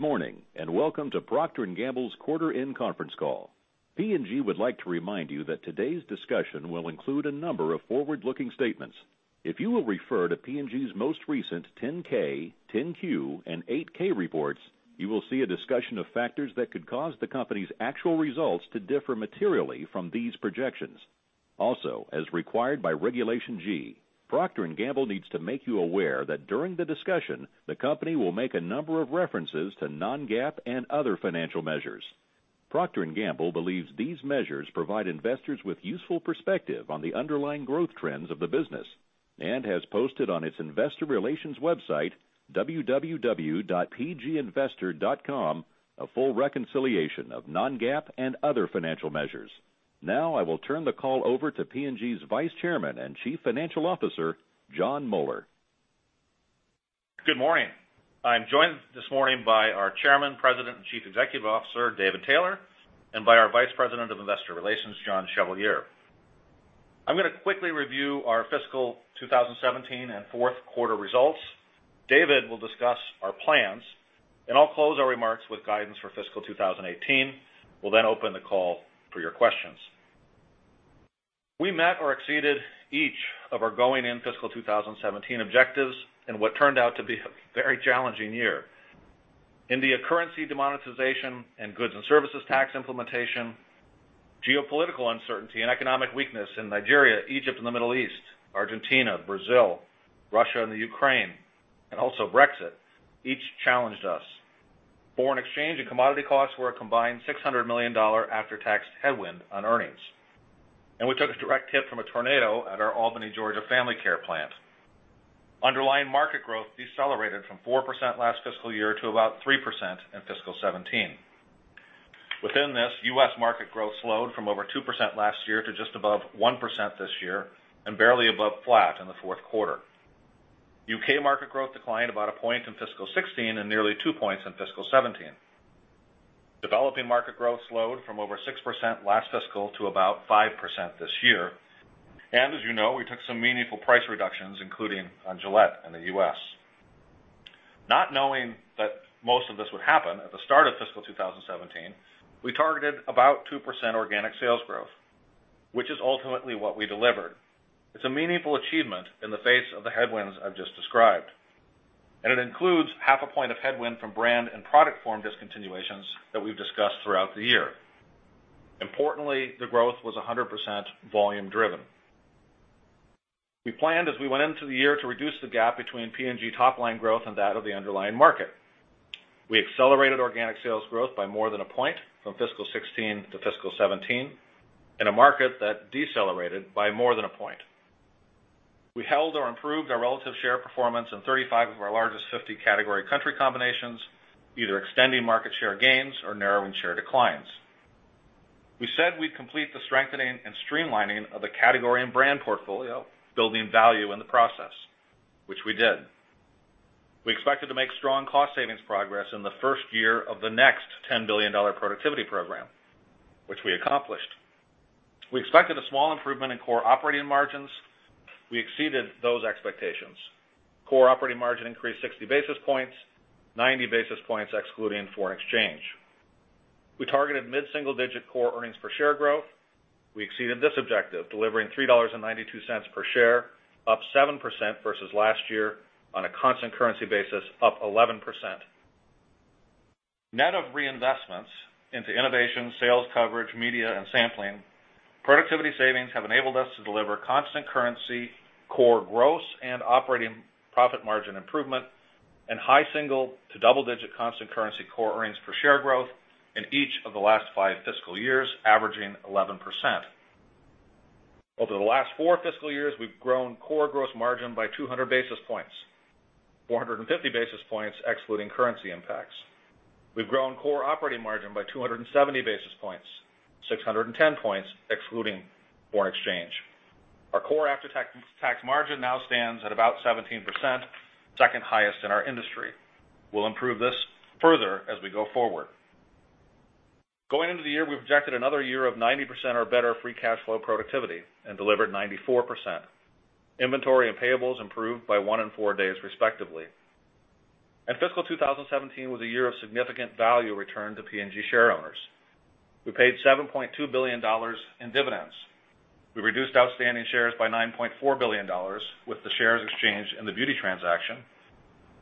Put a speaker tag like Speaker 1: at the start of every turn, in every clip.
Speaker 1: Good morning, and welcome to Procter & Gamble's quarter end conference call. P&G would like to remind you that today's discussion will include a number of forward-looking statements. If you will refer to P&G's most recent 10-K, 10-Q, and 8-K reports, you will see a discussion of factors that could cause the company's actual results to differ materially from these projections. Also, as required by Regulation G, Procter & Gamble needs to make you aware that during the discussion, the company will make a number of references to non-GAAP and other financial measures. Procter & Gamble believes these measures provide investors with useful perspective on the underlying growth trends of the business, and has posted on its investor relations website, www.pginvestor.com, a full reconciliation of non-GAAP and other financial measures. I will turn the call over to P&G's Vice Chairman and Chief Financial Officer, Jon Moeller.
Speaker 2: Good morning. I'm joined this morning by our Chairman, President, and Chief Executive Officer, David Taylor, and by our Vice President of Investor Relations, John Chevalier. I'm going to quickly review our fiscal 2017 and fourth quarter results. David will discuss our plans, and I'll close our remarks with guidance for fiscal 2018. We'll then open the call for your questions. We met or exceeded each of our going-in fiscal 2017 objectives in what turned out to be a very challenging year. India currency demonetization and Goods and Services Tax implementation, geopolitical uncertainty and economic weakness in Nigeria, Egypt and the Middle East, Argentina, Brazil, Russia, and Ukraine, each challenged us. Foreign exchange and commodity costs were a combined $600 million after-tax headwind on earnings. We took a direct hit from a tornado at our Albany, Georgia Family Care plant. Underlying market growth decelerated from 4% last fiscal year to about 3% in fiscal 2017. Within this, U.S. market growth slowed from over 2% last year to just above 1% this year and barely above flat in the fourth quarter. U.K. market growth declined about a point in fiscal 2016 and nearly 2 points in fiscal 2017. Developing market growth slowed from over 6% last fiscal to about 5% this year. As you know, we took some meaningful price reductions, including on Gillette in the U.S. Not knowing that most of this would happen at the start of fiscal 2017, we targeted about 2% organic sales growth, which is ultimately what we delivered. It's a meaningful achievement in the face of the headwinds I've just described, and it includes half a point of headwind from brand and product form discontinuations that we've discussed throughout the year. Importantly, the growth was 100% volume driven. We planned as we went into the year to reduce the gap between P&G top-line growth and that of the underlying market. We accelerated organic sales growth by more than a point from fiscal 2016 to fiscal 2017 in a market that decelerated by more than a point. We held or improved our relative share performance in 35 of our largest 50 category country combinations, either extending market share gains or narrowing share declines. We said we'd complete the strengthening and streamlining of the category and brand portfolio, building value in the process, which we did. We expected to make strong cost savings progress in the first year of the next $10 billion productivity program, which we accomplished. We expected a small improvement in core operating margins. We exceeded those expectations. Core operating margin increased 60 basis points, 90 basis points excluding foreign exchange. We targeted mid-single-digit core earnings per share growth. We exceeded this objective, delivering $3.92 per share, up 7% versus last year, on a constant currency basis, up 11%. Net of reinvestments into innovation, sales coverage, media, and sampling, productivity savings have enabled us to deliver constant currency, core gross and operating profit margin improvement in high single to double-digit constant currency core earnings per share growth in each of the last five fiscal years, averaging 11%. Over the last four fiscal years, we've grown core gross margin by 200 basis points, 450 basis points excluding currency impacts. We've grown core operating margin by 270 basis points, 610 points excluding foreign exchange. Our core after-tax margin now stands at about 17%, second highest in our industry. We'll improve this further as we go forward. Going into the year, we projected another year of 90% or better free cash flow productivity and delivered 94%. Inventory and payables improved by one in four days, respectively. Fiscal 2017 was a year of significant value return to P&G shareowners. We paid $7.2 billion in dividends. We reduced outstanding shares by $9.4 billion with the shares exchanged in the Beauty transaction,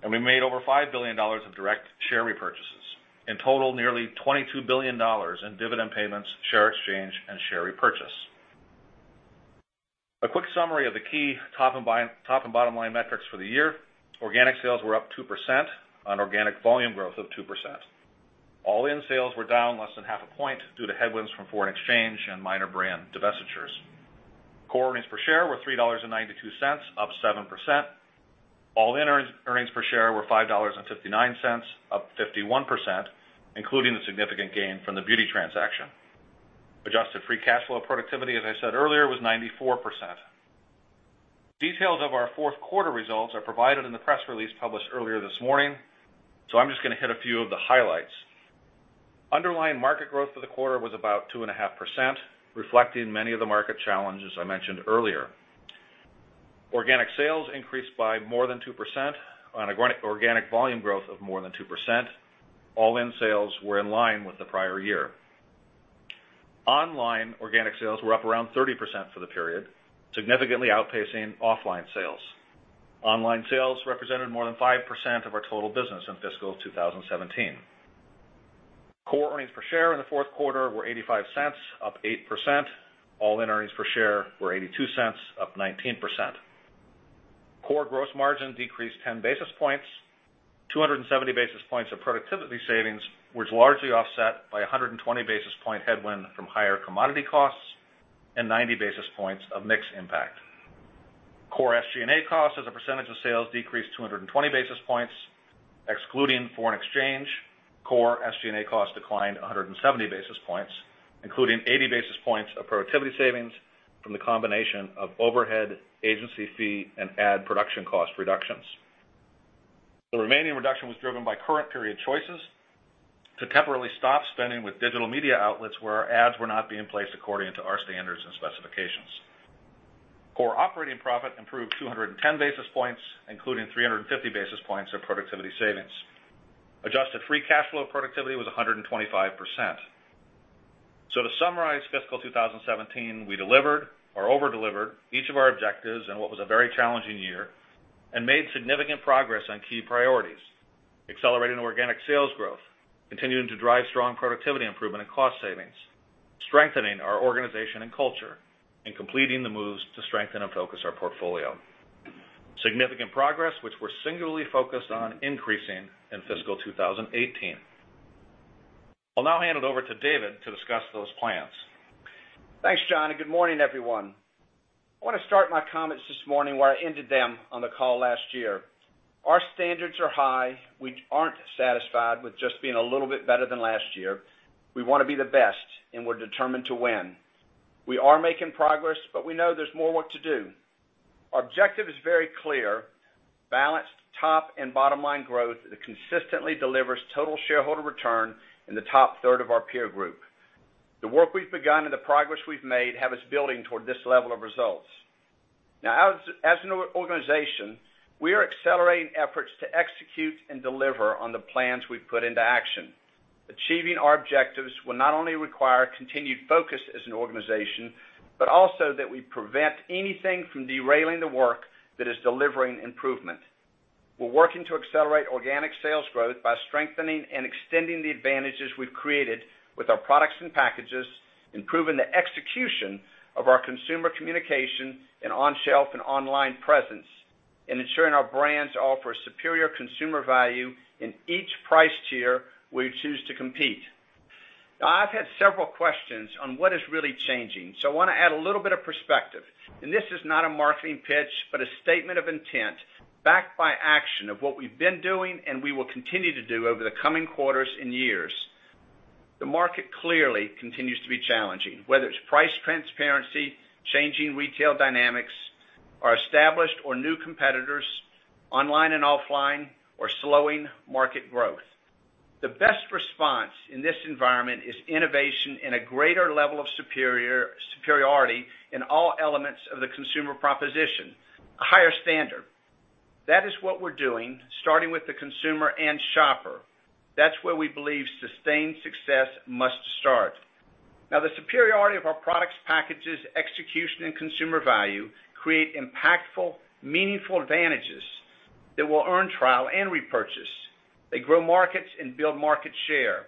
Speaker 2: and we made over $5 billion of direct share repurchases. In total, nearly $22 billion in dividend payments, share exchange, and share repurchase. A quick summary of the key top and bottom line metrics for the year. Organic sales were up 2% on organic volume growth of 2%. All-in sales were down less than half a point due to headwinds from foreign exchange and minor brand divestitures. Core earnings per share were $3.92, up 7%. All-in earnings per share were $5.59, up 51%, including the significant gain from the Beauty transaction. Adjusted free cash flow productivity, as I said earlier, was 94%. Details of our fourth quarter results are provided in the press release published earlier this morning. I'm just going to hit a few of the highlights Underlying market growth for the quarter was about 2.5%, reflecting many of the market challenges I mentioned earlier. Organic sales increased by more than 2% on organic volume growth of more than 2%. All-in sales were in line with the prior year. Online organic sales were up around 30% for the period, significantly outpacing offline sales. Online sales represented more than 5% of our total business in fiscal 2017. Core earnings per share in the fourth quarter were $0.85, up 8%. All-in earnings per share were $0.82, up 19%. Core gross margin decreased 10 basis points. 270 basis points of productivity savings was largely offset by 120 basis point headwind from higher commodity costs and 90 basis points of mix impact. Core SG&A costs as a percentage of sales decreased 220 basis points. Excluding foreign exchange, core SG&A costs declined 170 basis points, including 80 basis points of productivity savings from the combination of overhead, agency fee, and ad production cost reductions. The remaining reduction was driven by current period choices to temporarily stop spending with digital media outlets where our ads were not being placed according to our standards and specifications. Core operating profit improved 210 basis points, including 350 basis points of productivity savings. Adjusted free cash flow productivity was 125%. To summarize fiscal 2017, we delivered or over-delivered each of our objectives in what was a very challenging year, and made significant progress on key priorities, accelerating organic sales growth, continuing to drive strong productivity improvement and cost savings, strengthening our organization and culture, and completing the moves to strengthen and focus our portfolio. Significant progress, which we're singularly focused on increasing in fiscal 2018. I'll now hand it over to David to discuss those plans.
Speaker 3: Thanks, Jon. Good morning, everyone. I want to start my comments this morning where I ended them on the call last year. Our standards are high. We aren't satisfied with just being a little bit better than last year. We want to be the best, we're determined to win. We are making progress, we know there's more work to do. Our objective is very clear. Balanced top and bottom-line growth that consistently delivers total shareholder return in the top third of our peer group. The work we've begun and the progress we've made have us building toward this level of results. As an organization, we are accelerating efforts to execute and deliver on the plans we've put into action. Achieving our objectives will not only require continued focus as an organization, but also that we prevent anything from derailing the work that is delivering improvement. We're working to accelerate organic sales growth by strengthening and extending the advantages we've created with our products and packages, improving the execution of our consumer communication in on-shelf and online presence, and ensuring our brands offer superior consumer value in each price tier we choose to compete. I've had several questions on what is really changing, I want to add a little bit of perspective, this is not a marketing pitch, but a statement of intent backed by action of what we've been doing and we will continue to do over the coming quarters and years. The market clearly continues to be challenging, whether it's price transparency, changing retail dynamics, our established or new competitors, online and offline, or slowing market growth. The best response in this environment is innovation and a greater level of superiority in all elements of the consumer proposition. A higher standard. That is what we're doing, starting with the consumer and shopper. That's where we believe sustained success must start. The superiority of our products, packages, execution, and consumer value create impactful, meaningful advantages that will earn trial and repurchase. They grow markets and build market share.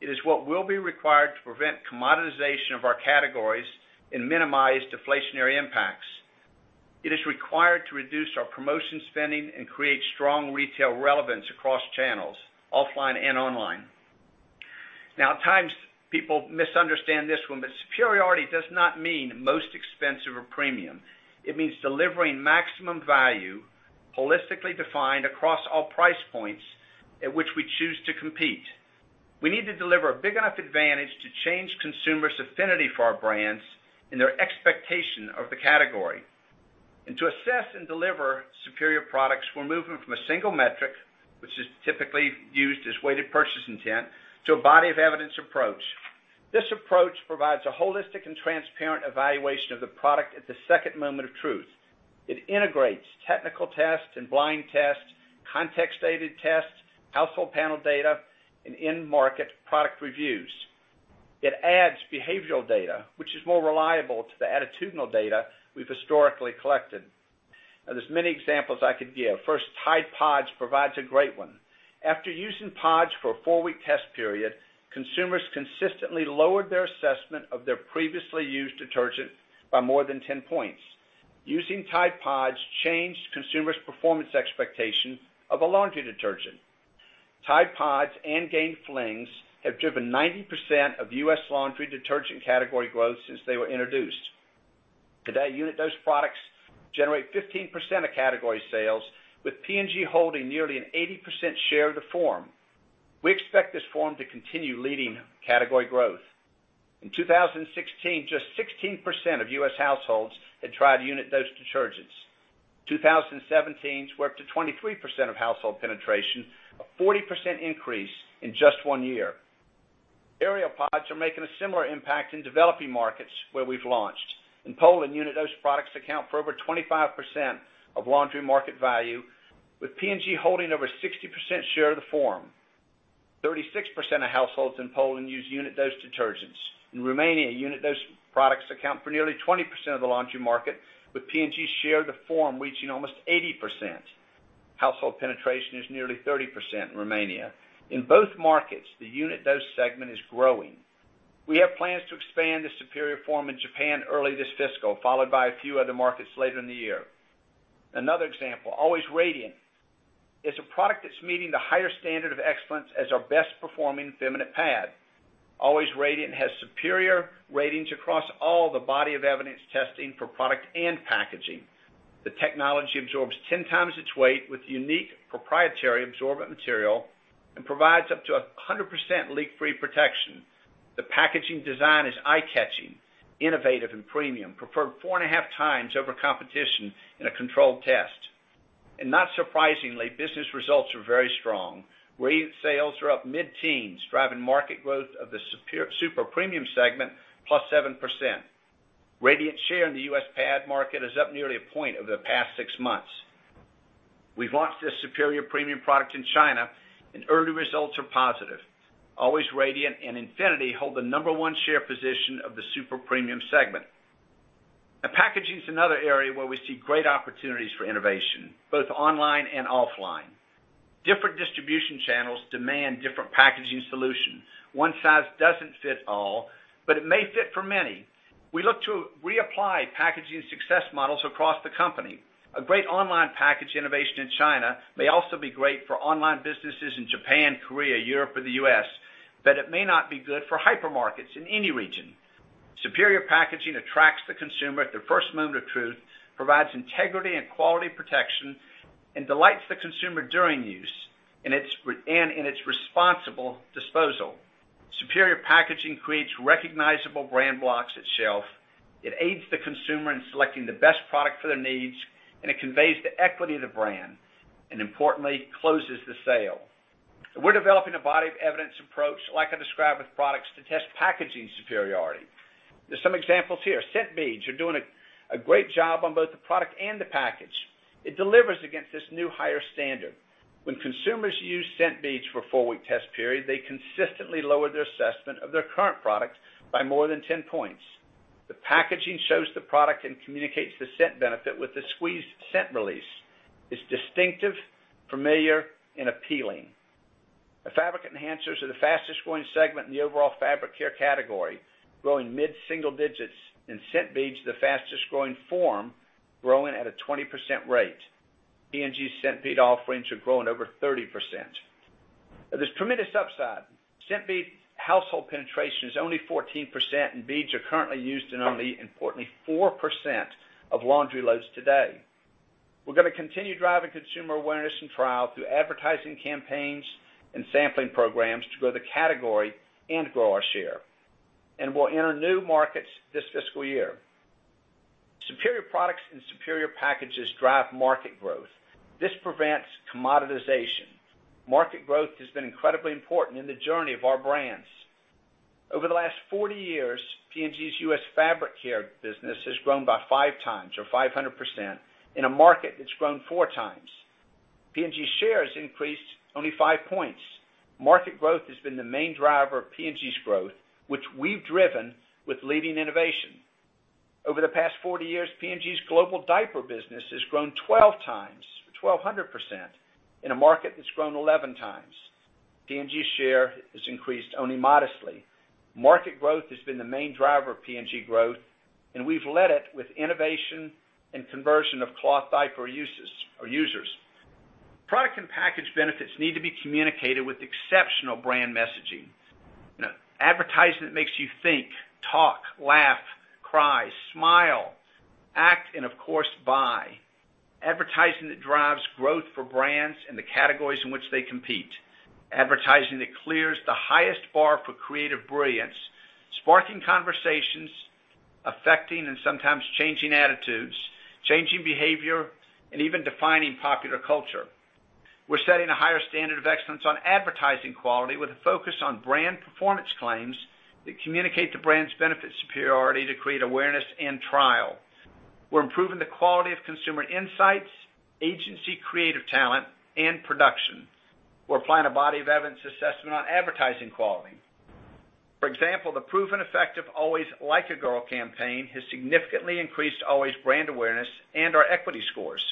Speaker 3: It is what will be required to prevent commoditization of our categories and minimize deflationary impacts. It is required to reduce our promotion spending and create strong retail relevance across channels, offline and online. At times, people misunderstand this one, superiority does not mean most expensive or premium. It means delivering maximum value, holistically defined across all price points at which we choose to compete. We need to deliver a big enough advantage to change consumers' affinity for our brands and their expectation of the category. To assess and deliver superior products, we're moving from a single metric, which is typically used as weighted purchase intent, to a body of evidence approach. This approach provides a holistic and transparent evaluation of the product at the second moment of truth. It integrates technical tests and blind tests, context-aided tests, household panel data, and in-market product reviews. It adds behavioral data, which is more reliable to the attitudinal data we've historically collected. There's many examples I could give. First, Tide PODS provides a great one. After using PODS for a 4-week test period, consumers consistently lowered their assessment of their previously used detergent by more than 10 points. Using Tide PODS changed consumers' performance expectation of a laundry detergent. Tide PODS and Gain Flings have driven 90% of U.S. laundry detergent category growth since they were introduced. Today, those products generate 15% of category sales, with P&G holding nearly an 80% share of the form. We expect this form to continue leading category growth. In 2016, just 16% of U.S. households had tried unit-dose detergents. 2017, we're up to 23% of household penetration, a 40% increase in just one year. Ariel Pods are making a similar impact in developing markets where we've launched. In Poland, unit-dose products account for over 25% of laundry market value, with P&G holding over 60% share of the form. 36% of households in Poland use unit-dose detergents. In Romania, unit-dose products account for nearly 20% of the laundry market, with P&G's share of the form reaching almost 80%. Household penetration is nearly 30% in Romania. In both markets, the unit-dose segment is growing. We have plans to expand the superior form in Japan early this fiscal, followed by a few other markets later in the year. Another example, Always Radiant. It's a product that's meeting the higher standard of excellence as our best-performing feminine pad. Always Radiant has superior ratings across all the body of evidence testing for product and packaging. The technology absorbs 10 times its weight with unique proprietary absorbent material and provides up to 100% leak-free protection. The packaging design is eye-catching, innovative, and premium, preferred four and a half times over competition in a controlled test. Not surprisingly, business results are very strong. Radiant sales are up mid-teens, driving market growth of the super premium segment plus 7%. Radiant's share in the U.S. pad market is up nearly a point over the past six months. We've launched this superior premium product in China and early results are positive. Always Radiant and Infinity hold the number one share position of the super premium segment. Packaging's another area where we see great opportunities for innovation, both online and offline. Different distribution channels demand different packaging solutions. One size doesn't fit all, but it may fit for many. We look to reapply packaging success models across the company. A great online package innovation in China may also be great for online businesses in Japan, Korea, Europe, or the U.S., but it may not be good for hypermarkets in any region. Superior packaging attracts the consumer at their first moment of truth, provides integrity and quality protection, and delights the consumer during use and in its responsible disposal. Superior packaging creates recognizable brand blocks at shelf, it aids the consumer in selecting the best product for their needs, and it conveys the equity of the brand, and importantly, closes the sale. We're developing a body of evidence approach, like I described with products, to test packaging superiority. There's some examples here. Scent Beads are doing a great job on both the product and the package. It delivers against this new higher standard. When consumers use Scent Beads for a four-week test period, they consistently lower their assessment of their current product by more than 10 points. The packaging shows the product and communicates the scent benefit with the squeeze scent release. It's distinctive, familiar, and appealing. The fabric enhancers are the fastest-growing segment in the overall fabric care category, growing mid-single digits, and Scent Beads the fastest-growing form, growing at a 20% rate. P&G's Scent Bead offerings are growing over 30%. There's tremendous upside. Scent Bead household penetration is only 14%, and beads are currently used in only, importantly, 4% of laundry loads today. We're going to continue driving consumer awareness and trial through advertising campaigns and sampling programs to grow the category and grow our share. We'll enter new markets this fiscal year. Superior products and superior packages drive market growth. This prevents commoditization. Market growth has been incredibly important in the journey of our brands. Over the last 40 years, P&G's U.S. fabric care business has grown by five times or 500% in a market that's grown four times. P&G's share has increased only five points. Market growth has been the main driver of P&G's growth, which we've driven with leading innovation. Over the past 40 years, P&G's global diaper business has grown 12 times, or 1,200%, in a market that's grown 11 times. P&G's share has increased only modestly. Market growth has been the main driver of P&G growth, we've led it with innovation and conversion of cloth diaper users. Product and package benefits need to be communicated with exceptional brand messaging. You know, advertising that makes you think, talk, laugh, cry, smile, act, and of course, buy. Advertising that drives growth for brands and the categories in which they compete. Advertising that clears the highest bar for creative brilliance, sparking conversations, affecting and sometimes changing attitudes, changing behavior, and even defining popular culture. We're setting a higher standard of excellence on advertising quality with a focus on brand performance claims that communicate the brand's benefit superiority to create awareness and trial. We're improving the quality of consumer insights, agency creative talent, and production. We're applying a body of evidence assessment on advertising quality. For example, the proven effective Always Like a Girl campaign has significantly increased Always brand awareness and our equity scores.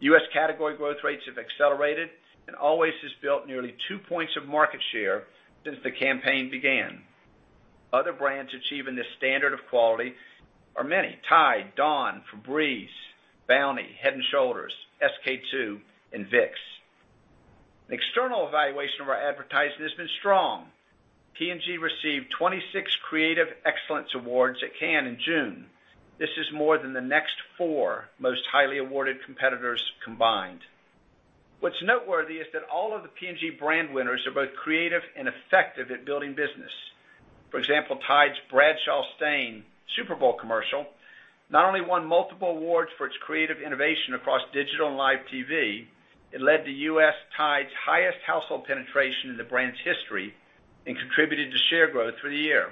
Speaker 3: U.S. category growth rates have accelerated, Always has built nearly two points of market share since the campaign began. Other brands achieving this standard of quality are many. Tide, Dawn, Febreze, Bounty, Head & Shoulders, SK-II, and Vicks. An external evaluation of our advertising has been strong. P&G received 26 Creative Excellence Awards at Cannes in June. This is more than the next four most highly awarded competitors combined. What's noteworthy is that all of the P&G brand winners are both creative and effective at building business. For example, Tide's Bradshaw Stain Super Bowl commercial not only won multiple awards for its creative innovation across digital and live TV, it led to U.S. Tide's highest household penetration in the brand's history and contributed to share growth through the year.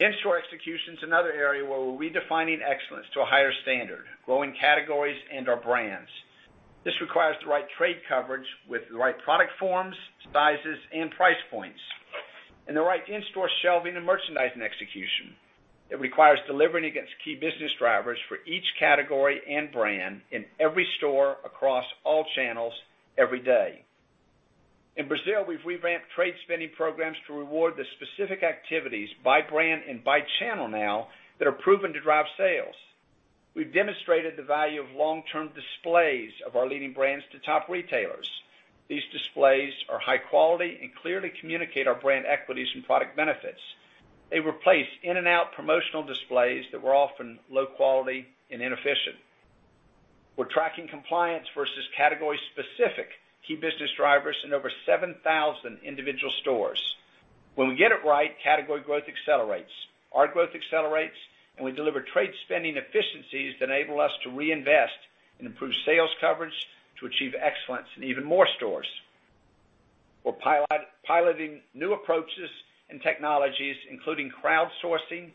Speaker 3: In-store execution's another area where we're redefining excellence to a higher standard, growing categories and our brands. This requires the right trade coverage with the right product forms, sizes, and price points, and the right in-store shelving and merchandising execution. It requires delivering against key business drivers for each category and brand in every store across all channels every day. In Brazil, we've revamped trade spending programs to reward the specific activities by brand and by channel now that are proven to drive sales. We've demonstrated the value of long-term displays of our leading brands to top retailers. These displays are high quality and clearly communicate our brand equities and product benefits. They replace in-and-out promotional displays that were often low quality and inefficient. We're tracking compliance versus category-specific key business drivers in over 7,000 individual stores. When we get it right, category growth accelerates, our growth accelerates, and we deliver trade spending efficiencies that enable us to reinvest and improve sales coverage to achieve excellence in even more stores. We're piloting new approaches and technologies including crowdsourcing,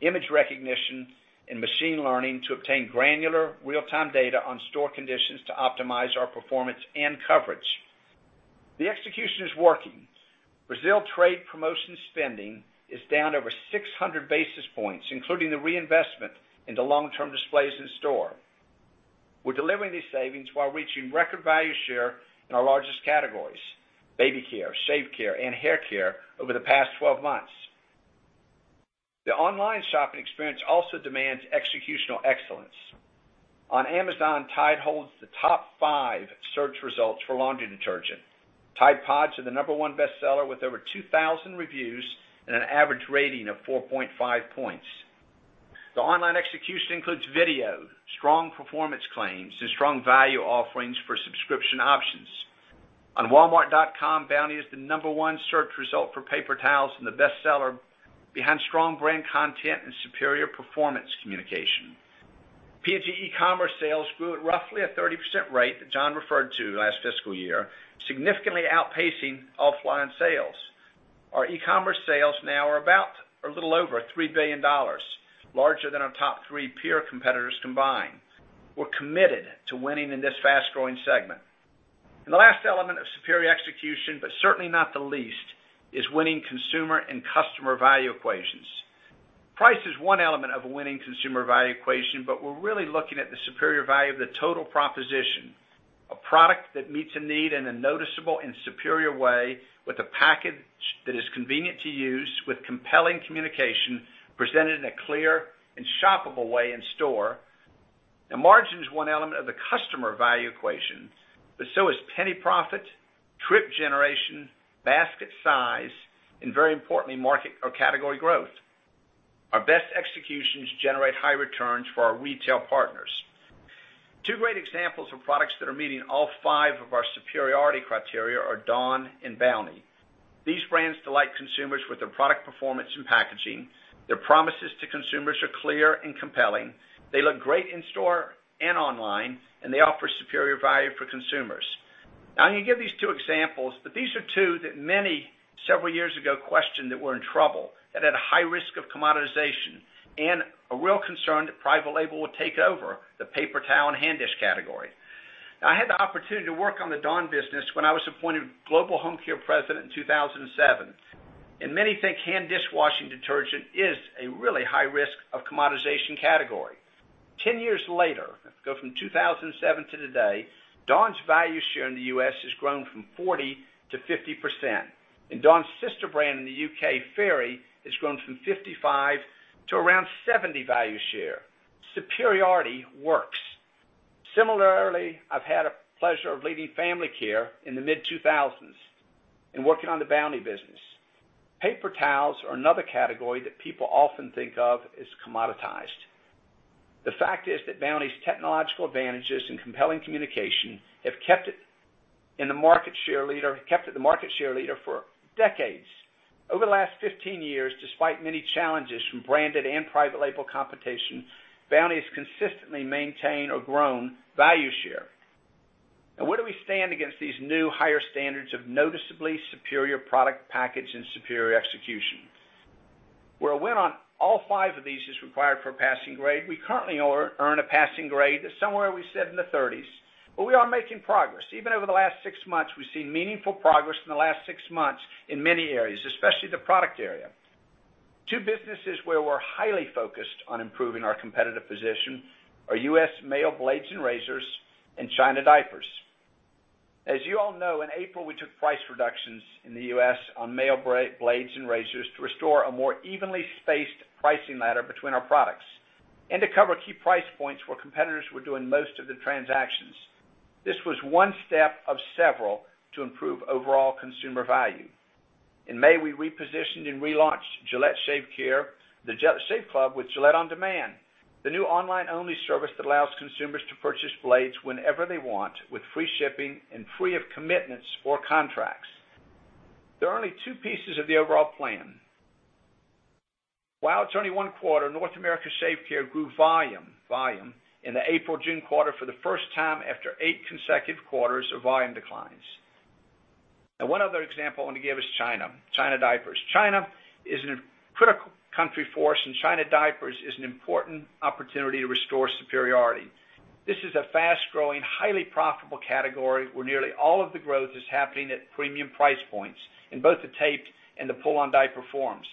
Speaker 3: image recognition, and machine learning to obtain granular real-time data on store conditions to optimize our performance and coverage. The execution is working. Brazil trade promotion spending is down over 600 basis points, including the reinvestment into long-term displays in store. We're delivering these savings while reaching record value share in our largest categories, baby care, shave care, and hair care over the past 12 months. The online shopping experience also demands executional excellence. On Amazon, Tide holds the top 5 search results for laundry detergent. Tide PODS are the number 1 bestseller with over 2,000 reviews and an average rating of 4.5 points. The online execution includes video, strong performance claims, and strong value offerings for subscription options. On walmart.com, Bounty is the number 1 search result for paper towels and the bestseller behind strong brand content and superior performance communication. P&G e-commerce sales grew at roughly a 30% rate that Jon referred to last fiscal year, significantly outpacing offline sales. Our e-commerce sales now are a little over $3 billion, larger than our top three peer competitors combined. We're committed to winning in this fast-growing segment. The last element of superior execution, but certainly not the least, is winning consumer and customer value equations. Price is one element of a winning consumer value equation, but we're really looking at the superior value of the total proposition. A product that meets a need in a noticeable and superior way with a package that is convenient to use with compelling communication presented in a clear and shoppable way in store. Margin's one element of the customer value equation, but so is penny profit, trip generation, basket size, and very importantly, market or category growth. Our best executions generate high returns for our retail partners. Two great examples of products that are meeting all five of our superiority criteria are Dawn and Bounty. These brands delight consumers with their product performance and packaging. Their promises to consumers are clear and compelling. They look great in store and online, and they offer superior value for consumers. Now, I'm going to give these two examples, but these are two that many several years ago questioned that were in trouble, that had a high risk of commoditization and a real concern that private label would take over the paper towel and hand dish category. Now, I had the opportunity to work on the Dawn business when I was appointed Global Home Care President in 2007, and many think hand dishwashing detergent is a really high risk of commoditization category. 10 years later, go from 2007 to today, Dawn's value share in the U.S. has grown from 40%-50%, and Dawn's sister brand in the U.K., Fairy, has grown from 55% to around 70% value share. Superiority works. Similarly, I've had a pleasure of leading Family Care in the mid-2000s and working on the Bounty business. Paper towels are another category that people often think of as commoditized. The fact is that Bounty's technological advantages and compelling communication have kept it the market share leader for decades. Over the last 15 years, despite many challenges from branded and private label competition, Bounty has consistently maintained or grown value share. Now, where do we stand against these new higher standards of noticeably superior product package and superior execution? Where a win on all five of these is required for a passing grade, we currently earn a passing grade that's somewhere we said in the 30s. We are making progress. Even over the last six months, we've seen meaningful progress in the last six months in many areas, especially the product area. Two businesses where we're highly focused on improving our competitive position are U.S. male blades and razors and China diapers. As you all know, in April, we took price reductions in the U.S. on male blades and razors to restore a more evenly spaced pricing ladder between our products and to cover key price points where competitors were doing most of the transactions. In May, we repositioned and relaunched Gillette Shave Care, the Gillette Shave Club with Gillette On Demand, the new online-only service that allows consumers to purchase blades whenever they want with free shipping and free of commitments or contracts. There are only two pieces of the overall plan. While it's only one quarter, North America Shave Care grew volume in the April-June quarter for the first time after eight consecutive quarters of volume declines. Now, one other example I want to give is China diapers. China is in a critical country for us, and China diapers is an important opportunity to restore superiority. This is a fast-growing, highly profitable category where nearly all of the growth is happening at premium price points in both the taped and the pull-on diaper forms.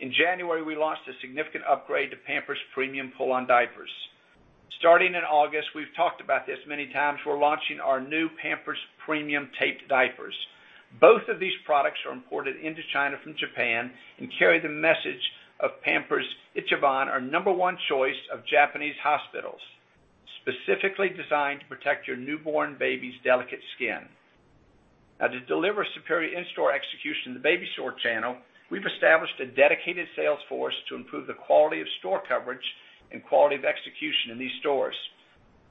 Speaker 3: In January, we launched a significant upgrade to Pampers Premium pull-on diapers. Starting in August, we've talked about this many times, we're launching our new Pampers Premium taped diapers. Both of these products are imported into China from Japan and carry the message of Pampers Ichiban, our number one choice of Japanese hospitals, specifically designed to protect your newborn baby's delicate skin. Now to deliver superior in-store execution in the baby store channel, we've established a dedicated sales force to improve the quality of store coverage and quality of execution in these stores.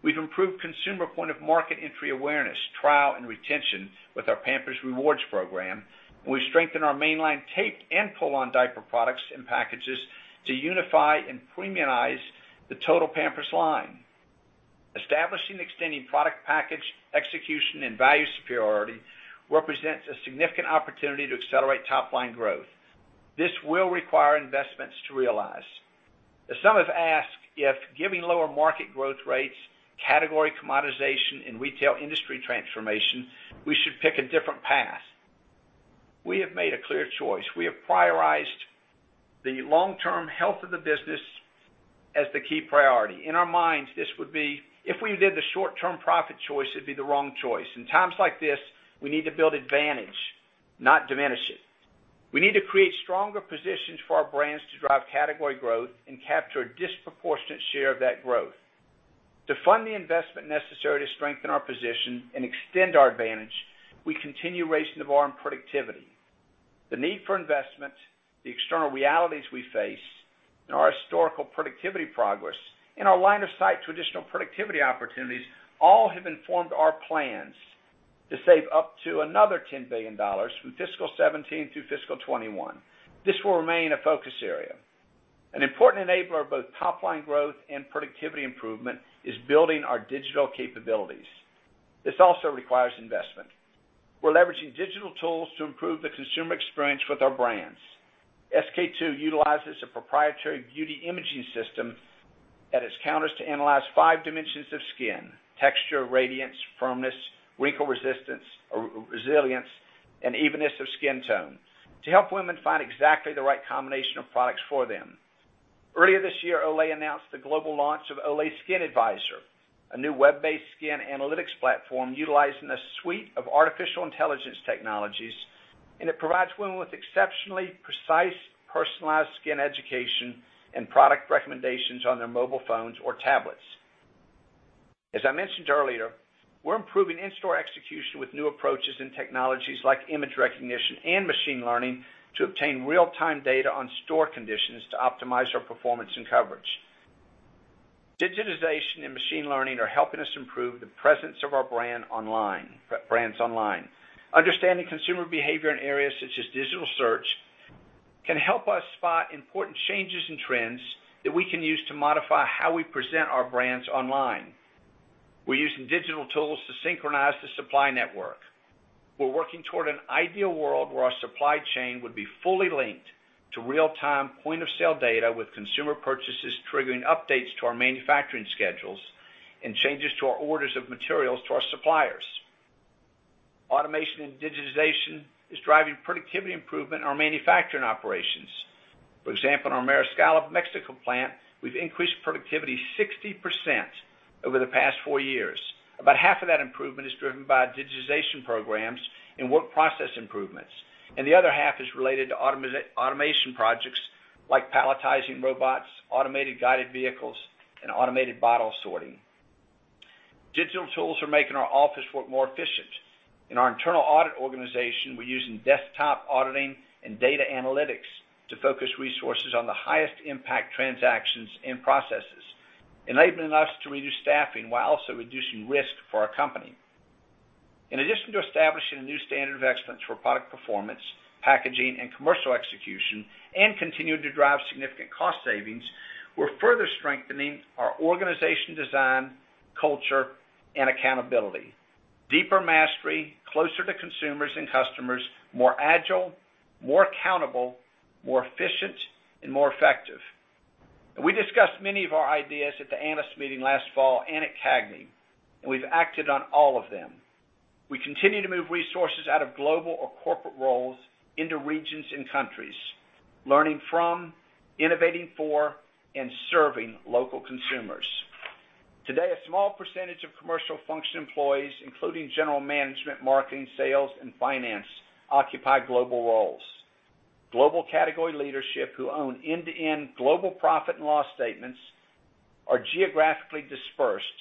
Speaker 3: We've improved consumer point-of-market entry awareness, trial, and retention with our Pampers Rewards program. We've strengthened our mainline tape and pull-on diaper products and packages to unify and premiumize the total Pampers line. Establishing and extending product package execution and value superiority represents a significant opportunity to accelerate top-line growth. This will require investments to realize. Some have asked if giving lower market growth rates, category commoditization, and retail industry transformation, we should pick a different path. We have made a clear choice. We have prioritized the long-term health of the business as the key priority. If we did the short-term profit choice, it'd be the wrong choice. In times like this, we need to build advantage, not diminish it. We need to create stronger positions for our brands to drive category growth and capture a disproportionate share of that growth. To fund the investment necessary to strengthen our position and extend our advantage, we continue raising the bar on productivity. The need for investment, the external realities we face, our historical productivity progress, and our line of sight to additional productivity opportunities all have informed our plans to save up to another $10 billion from fiscal 2017 through fiscal 2021. This will remain a focus area. An important enabler of both top-line growth and productivity improvement is building our digital capabilities. This also requires investment. We're leveraging digital tools to improve the consumer experience with our brands. SK-II utilizes a proprietary beauty imaging system at its counters to analyze five dimensions of skin: texture, radiance, firmness, wrinkle resistance or resilience, and evenness of skin tone to help women find exactly the right combination of products for them. Earlier this year, Olay announced the global launch of Olay Skin Advisor, a new web-based skin analytics platform utilizing a suite of artificial intelligence technologies. It provides women with exceptionally precise personalized skin education and product recommendations on their mobile phones or tablets. As I mentioned earlier, we're improving in-store execution with new approaches and technologies like image recognition and machine learning to obtain real-time data on store conditions to optimize our performance and coverage. Digitization and machine learning are helping us improve the presence of our brands online. Understanding consumer behavior in areas such as digital search can help us spot important changes and trends that we can use to modify how we present our brands online. We're using digital tools to synchronize the supply network. We're working toward an ideal world where our supply chain would be fully linked to real-time point-of-sale data with consumer purchases triggering updates to our manufacturing schedules and changes to our orders of materials to our suppliers. Automation and digitization is driving productivity improvement in our manufacturing operations. For example, in our Mariscala, Mexico plant, we've increased productivity 60% over the past four years. About half of that improvement is driven by digitization programs and work process improvements, and the other half is related to automation projects like palletizing robots, automated guided vehicles, and automated bottle sorting. Digital tools are making our office work more efficient. In our internal audit organization, we're using desktop auditing and data analytics to focus resources on the highest impact transactions and processes, enabling us to reduce staffing while also reducing risk for our company. In addition to establishing a new standard of excellence for product performance, packaging, and commercial execution, and continuing to drive significant cost savings, we're further strengthening our organization design, culture, and accountability. Deeper mastery, closer to consumers and customers, more agile, more accountable, more efficient, and more effective. We discussed many of our ideas at the ANA meeting last fall and at CAGNY, and we've acted on all of them. We continue to move resources out of global or corporate roles into regions and countries, learning from, innovating for, and serving local consumers. Today, a small percentage of commercial function employees, including general management, marketing, sales, and finance, occupy global roles. Global category leadership who own end-to-end global profit and loss statements are geographically dispersed.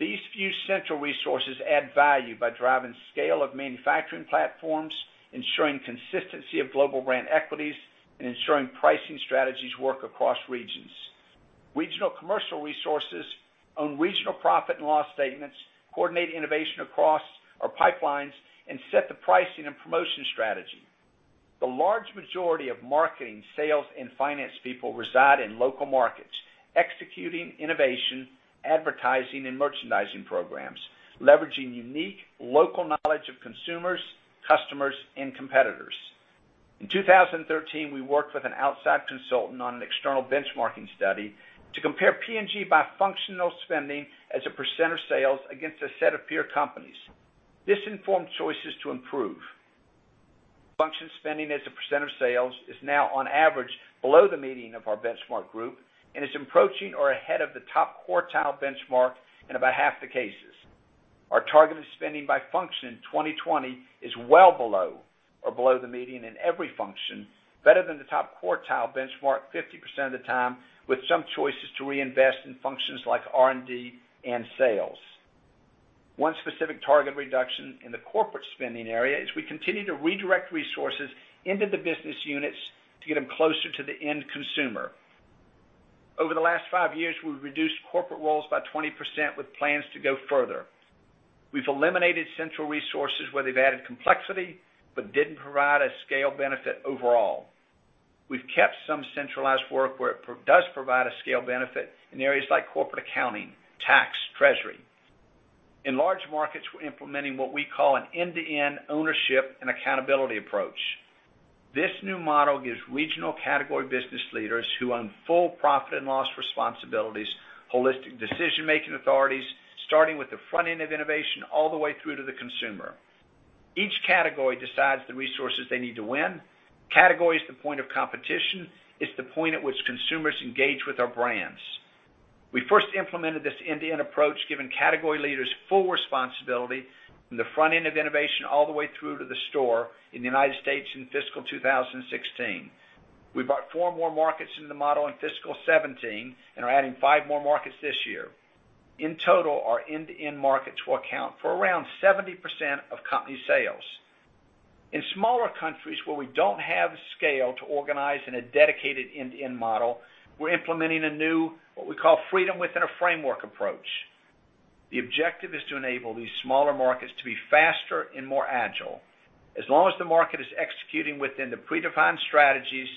Speaker 3: These few central resources add value by driving scale of manufacturing platforms, ensuring consistency of global brand equities, and ensuring pricing strategies work across regions. Regional commercial resources own regional profit and loss statements, coordinate innovation across our pipelines, and set the pricing and promotion strategy. The large majority of marketing, sales, and finance people reside in local markets, executing innovation, advertising, and merchandising programs, leveraging unique local knowledge of consumers, customers, and competitors. In 2013, we worked with an outside consultant on an external benchmarking study to compare P&G by functional spending as a percent of sales against a set of peer companies. This informed choices to improve. Function spending as a percent of sales is now on average below the median of our benchmark group and is approaching or ahead of the top quartile benchmark in about half the cases. Our targeted spending by function in 2020 is well below or below the median in every function, better than the top quartile benchmark 50% of the time, with some choices to reinvest in functions like R&D and sales. One specific target reduction in the corporate spending area is we continue to redirect resources into the business units to get them closer to the end consumer. Over the last five years, we've reduced corporate roles by 20% with plans to go further. We've eliminated central resources where they've added complexity but didn't provide a scale benefit overall. We've kept some centralized work where it does provide a scale benefit in areas like corporate accounting, tax, treasury. In large markets, we're implementing what we call an end-to-end ownership and accountability approach. This new model gives regional category business leaders who own full profit and loss responsibilities, holistic decision-making authorities, starting with the front end of innovation all the way through to the consumer. Each category decides the resources they need to win. Category is the point of competition. It's the point at which consumers engage with our brands. We first implemented this end-to-end approach, giving category leaders full responsibility from the front end of innovation all the way through to the store in the U.S. in fiscal 2016. We brought four more markets into the model in fiscal 2017 and are adding five more markets this year. In total, our end-to-end markets will account for around 70% of company sales. In smaller countries where we don't have the scale to organize in a dedicated end-to-end model, we're implementing a new, what we call, freedom within a framework approach. The objective is to enable these smaller markets to be faster and more agile. As long as the market is executing within the predefined strategies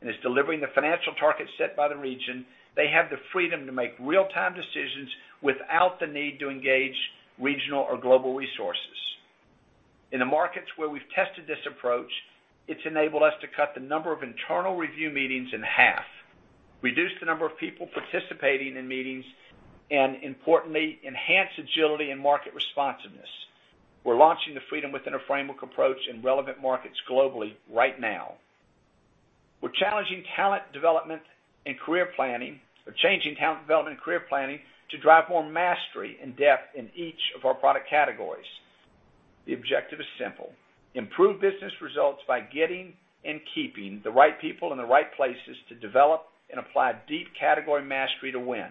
Speaker 3: and is delivering the financial targets set by the region, they have the freedom to make real-time decisions without the need to engage regional or global resources. In the markets where we've tested this approach, it's enabled us to cut the number of internal review meetings in half, reduce the number of people participating in meetings, and importantly, enhance agility and market responsiveness. We're launching the freedom within a framework approach in relevant markets globally right now. We're changing talent development and career planning to drive more mastery and depth in each of our product categories. The objective is simple. Improve business results by getting and keeping the right people in the right places to develop and apply deep category mastery to win.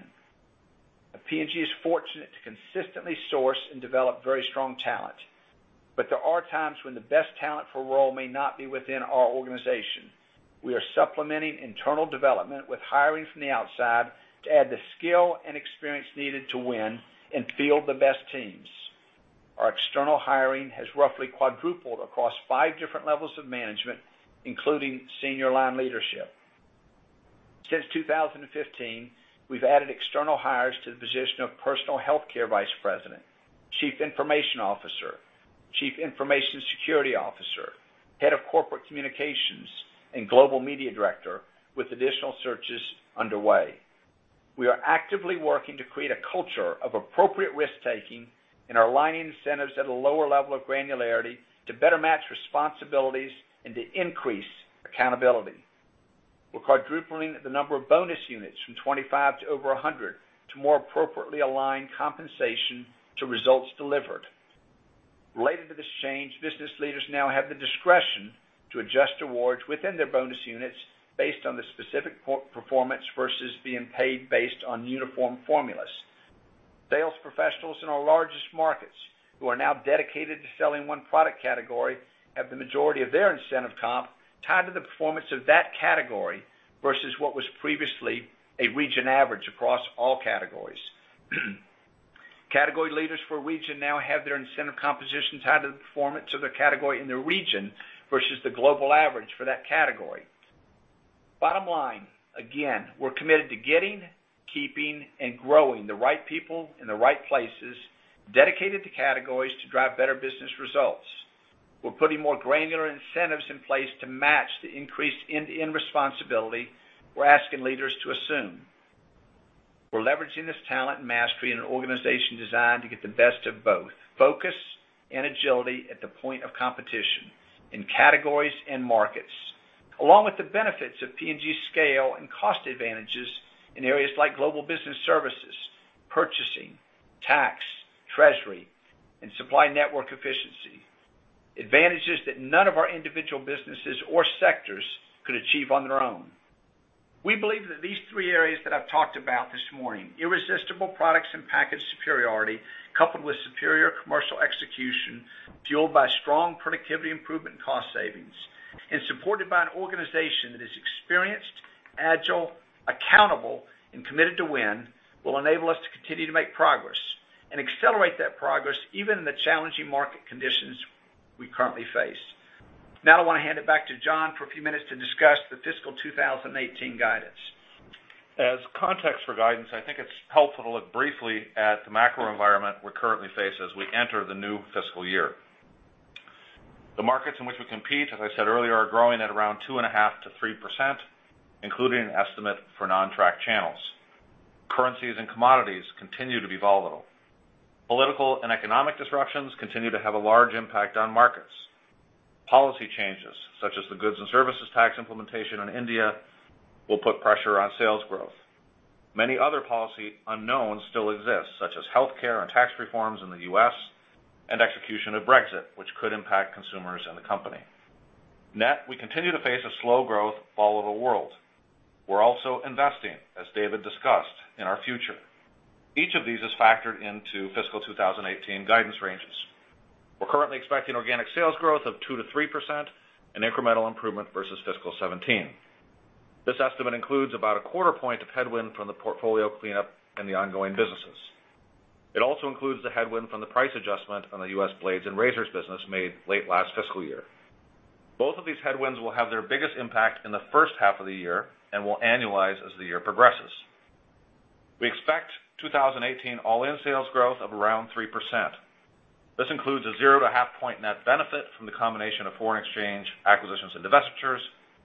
Speaker 3: P&G is fortunate to consistently source and develop very strong talent, but there are times when the best talent for a role may not be within our organization. We are supplementing internal development with hiring from the outside to add the skill and experience needed to win and field the best teams. Our external hiring has roughly quadrupled across 5 different levels of management, including senior line leadership. Since 2015, we've added external hires to the position of Personal Healthcare Vice President, Chief Information Officer, Chief Information Security Officer, Head of Corporate Communications, and Global Media Director, with additional searches underway. We are actively working to create a culture of appropriate risk-taking and are aligning incentives at a lower level of granularity to better match responsibilities and to increase accountability. We're quadrupling the number of bonus units from 25 to over 100 to more appropriately align compensation to results delivered. Related to this change, business leaders now have the discretion to adjust awards within their bonus units based on the specific performance versus being paid based on uniform formulas. Sales professionals in our largest markets who are now dedicated to selling one product category have the majority of their incentive comp tied to the performance of that category versus what was previously a region average across all categories. Category leaders for a region now have their incentive compositions tied to the performance of their category in their region versus the global average for that category. Bottom line, again, we're committed to getting, keeping, and growing the right people in the right places, dedicated to categories to drive better business results. We're putting more granular incentives in place to match the increased end-to-end responsibility we're asking leaders to assume. We're leveraging this talent and mastery in an organization designed to get the best of both focus and agility at the point of competition in categories and markets, along with the benefits of P&G's scale and cost advantages in areas like global business services, purchasing, tax, treasury, and supply network efficiency. Advantages that none of our individual businesses or sectors could achieve on their own. We believe that these three areas that I've talked about this morning, irresistible products and package superiority, coupled with superior commercial execution, fueled by strong productivity improvement and cost savings, and supported by an organization that is experienced, agile, accountable, and committed to win, will enable us to continue to make progress and accelerate that progress even in the challenging market conditions we currently face. I want to hand it back to Jon for a few minutes to discuss the fiscal 2018 guidance.
Speaker 2: As context for guidance, I think it's helpful to look briefly at the macro environment we currently face as we enter the new fiscal year. The markets in which we compete, as I said earlier, are growing at around 2.5%-3%, including an estimate for non-track channels. Currencies and commodities continue to be volatile. Political and economic disruptions continue to have a large impact on markets. Policy changes, such as the Goods and Services Tax implementation in India, will put pressure on sales growth. Many other policy unknowns still exist, such as healthcare and tax reforms in the U.S., and execution of Brexit, which could impact consumers and the company. Net, we continue to face a slow growth, volatile world. We're also investing, as David discussed, in our future. Each of these is factored into fiscal 2018 guidance ranges. We're currently expecting organic sales growth of 2%-3% and incremental improvement versus fiscal 2017. This estimate includes about a quarter point of headwind from the portfolio cleanup and the ongoing businesses. It also includes the headwind from the price adjustment on the U.S. blades and razors business made late last fiscal year. Both of these headwinds will have their biggest impact in the first half of the year and will annualize as the year progresses. We expect 2018 all-in sales growth of around 3%. This includes a zero to half point net benefit from the combination of foreign exchange acquisitions and divestitures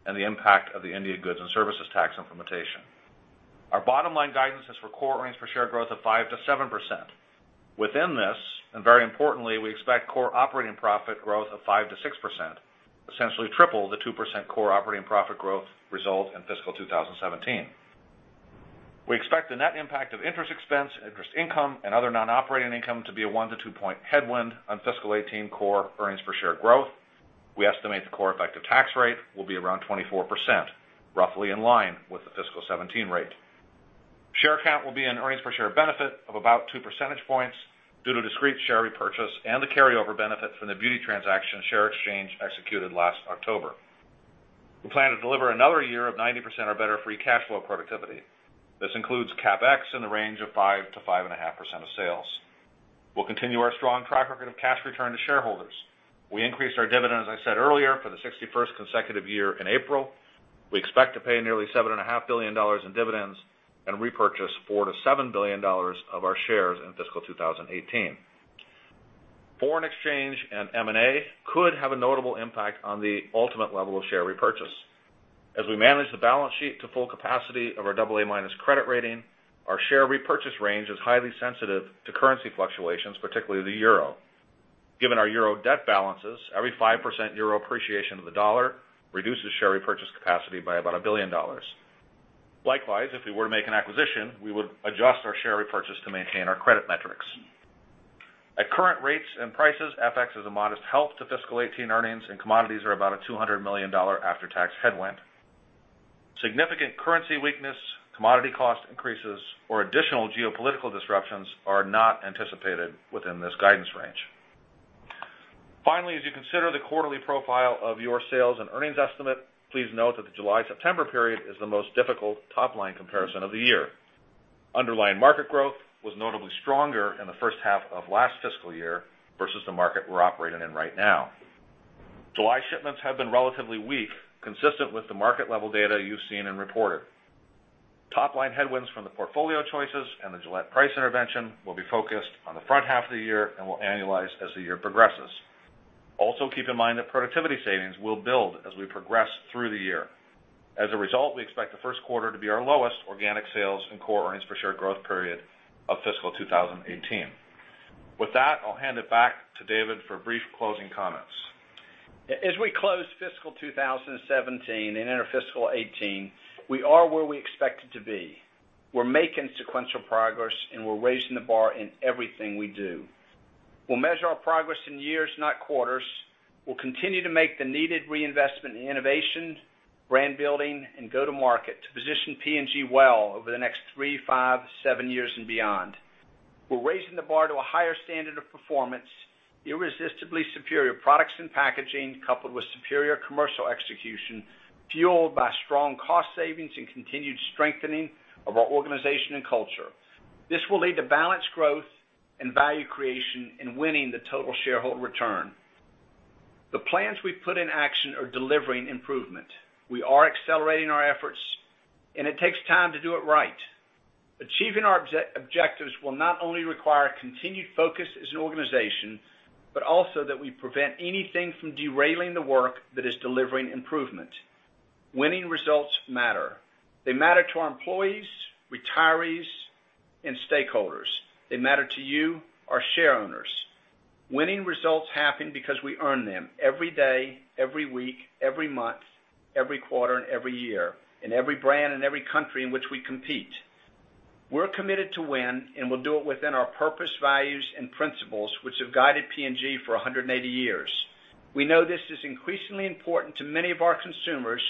Speaker 2: and the impact of the India Goods and Services Tax implementation. Our bottom line guidance is for core earnings per share growth of 5%-7%. Within this, and very importantly, we expect core operating profit growth of 5%-6%, essentially triple the 2% core operating profit growth result in fiscal 2017. We expect the net impact of interest expense, interest income, and other non-operating income to be a one to two point headwind on fiscal 2018 core earnings per share growth. We estimate the core effective tax rate will be around 24%, roughly in line with the fiscal 2017 rate. Share count will be an earnings per share benefit of about two percentage points due to discrete share repurchase and the carryover benefit from the beauty transaction share exchange executed last October. We plan to deliver another year of 90% or better free cash flow productivity. This includes CapEx in the range of 5%-5.5% of sales. We'll continue our strong track record of cash return to shareholders. We increased our dividend, as I said earlier, for the 61st consecutive year in April. We expect to pay nearly $7.5 billion in dividends and repurchase $4 billion-$7 billion of our shares in fiscal 2018. Foreign exchange and M&A could have a notable impact on the ultimate level of share repurchase. As we manage the balance sheet to full capacity of our AA- credit rating, our share repurchase range is highly sensitive to currency fluctuations, particularly the EUR. Given our EUR debt balances, every 5% EUR appreciation of the dollar reduces share repurchase capacity by about $1 billion. Likewise, if we were to make an acquisition, we would adjust our share repurchase to maintain our credit metrics. At current rates and prices, FX is a modest help to fiscal 2018 earnings, and commodities are about a $200 million after-tax headwind. Significant currency weakness, commodity cost increases, or additional geopolitical disruptions are not anticipated within this guidance range. Finally, as you consider the quarterly profile of your sales and earnings estimate, please note that the July-September period is the most difficult top-line comparison of the year. Underlying market growth was notably stronger in the first half of last fiscal year versus the market we're operating in right now. July shipments have been relatively weak, consistent with the market level data you've seen and reported. Top-line headwinds from the portfolio choices and the Gillette price intervention will be focused on the front half of the year and will annualize as the year progresses. Also keep in mind that productivity savings will build as we progress through the year. As a result, we expect the first quarter to be our lowest organic sales and core earnings per share growth period of fiscal 2018. With that, I'll hand it back to David for brief closing comments.
Speaker 3: As we close fiscal 2017 and enter fiscal 2018, we are where we expected to be. We're making sequential progress, and we're raising the bar in everything we do. We'll measure our progress in years, not quarters. We'll continue to make the needed reinvestment in innovation, brand building, and go-to-market to position P&G well over the next three, five, seven years and beyond. We're raising the bar to a higher standard of performance, irresistibly superior products and packaging, coupled with superior commercial execution, fueled by strong cost savings and continued strengthening of our organization and culture. This will lead to balanced growth and value creation in winning the total shareholder return. The plans we've put in action are delivering improvement. We are accelerating our efforts, and it takes time to do it right. Achieving our objectives will not only require continued focus as an organization, but also that we prevent anything from derailing the work that is delivering improvement. Winning results matter. They matter to our employees, retirees, and stakeholders. They matter to you, our shareowners. Winning results happen because we earn them every day, every week, every month, every quarter, and every year in every brand and every country in which we compete. We're committed to win, and we'll do it within our purpose, values, and principles, which have guided P&G for 180 years. We know this is increasingly important to many of our consumers,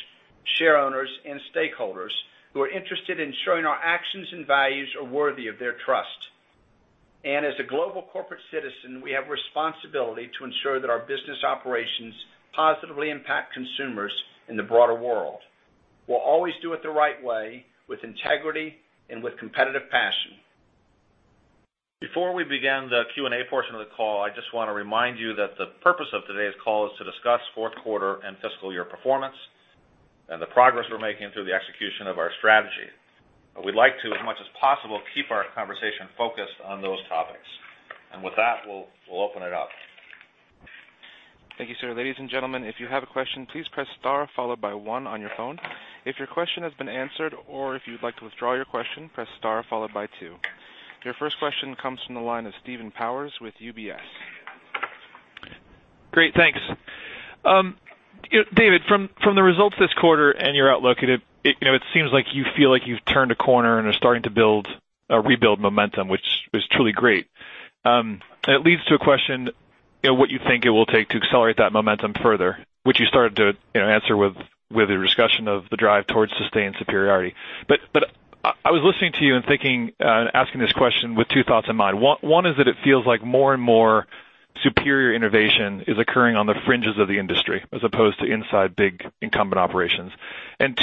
Speaker 3: shareholders, and stakeholders who are interested in ensuring our actions and values are worthy of their trust. As a global corporate citizen, we have a responsibility to ensure that our business operations positively impact consumers in the broader world. We'll always do it the right way, with integrity and with competitive passion.
Speaker 2: Before we begin the Q&A portion of the call, I just want to remind you that the purpose of today's call is to discuss fourth quarter and fiscal year performance and the progress we're making through the execution of our strategy. We'd like to, as much as possible, keep our conversation focused on those topics. With that, we'll open it up.
Speaker 1: Thank you, sir. Ladies and gentlemen, if you have a question, please press star followed by one on your phone. If your question has been answered or if you'd like to withdraw your question, press star followed by two. Your first question comes from the line of Steve Powers with UBS.
Speaker 4: Great. Thanks. David, from the results this quarter and your outlook, it seems like you feel like you've turned a corner and are starting to rebuild momentum, which is truly great. It leads to a question, what you think it will take to accelerate that momentum further, which you started to answer with the discussion of the drive towards sustained superiority. I was listening to you and thinking, asking this question with two thoughts in mind. One is that it feels like more and more superior innovation is occurring on the fringes of the industry as opposed to inside big incumbent operations.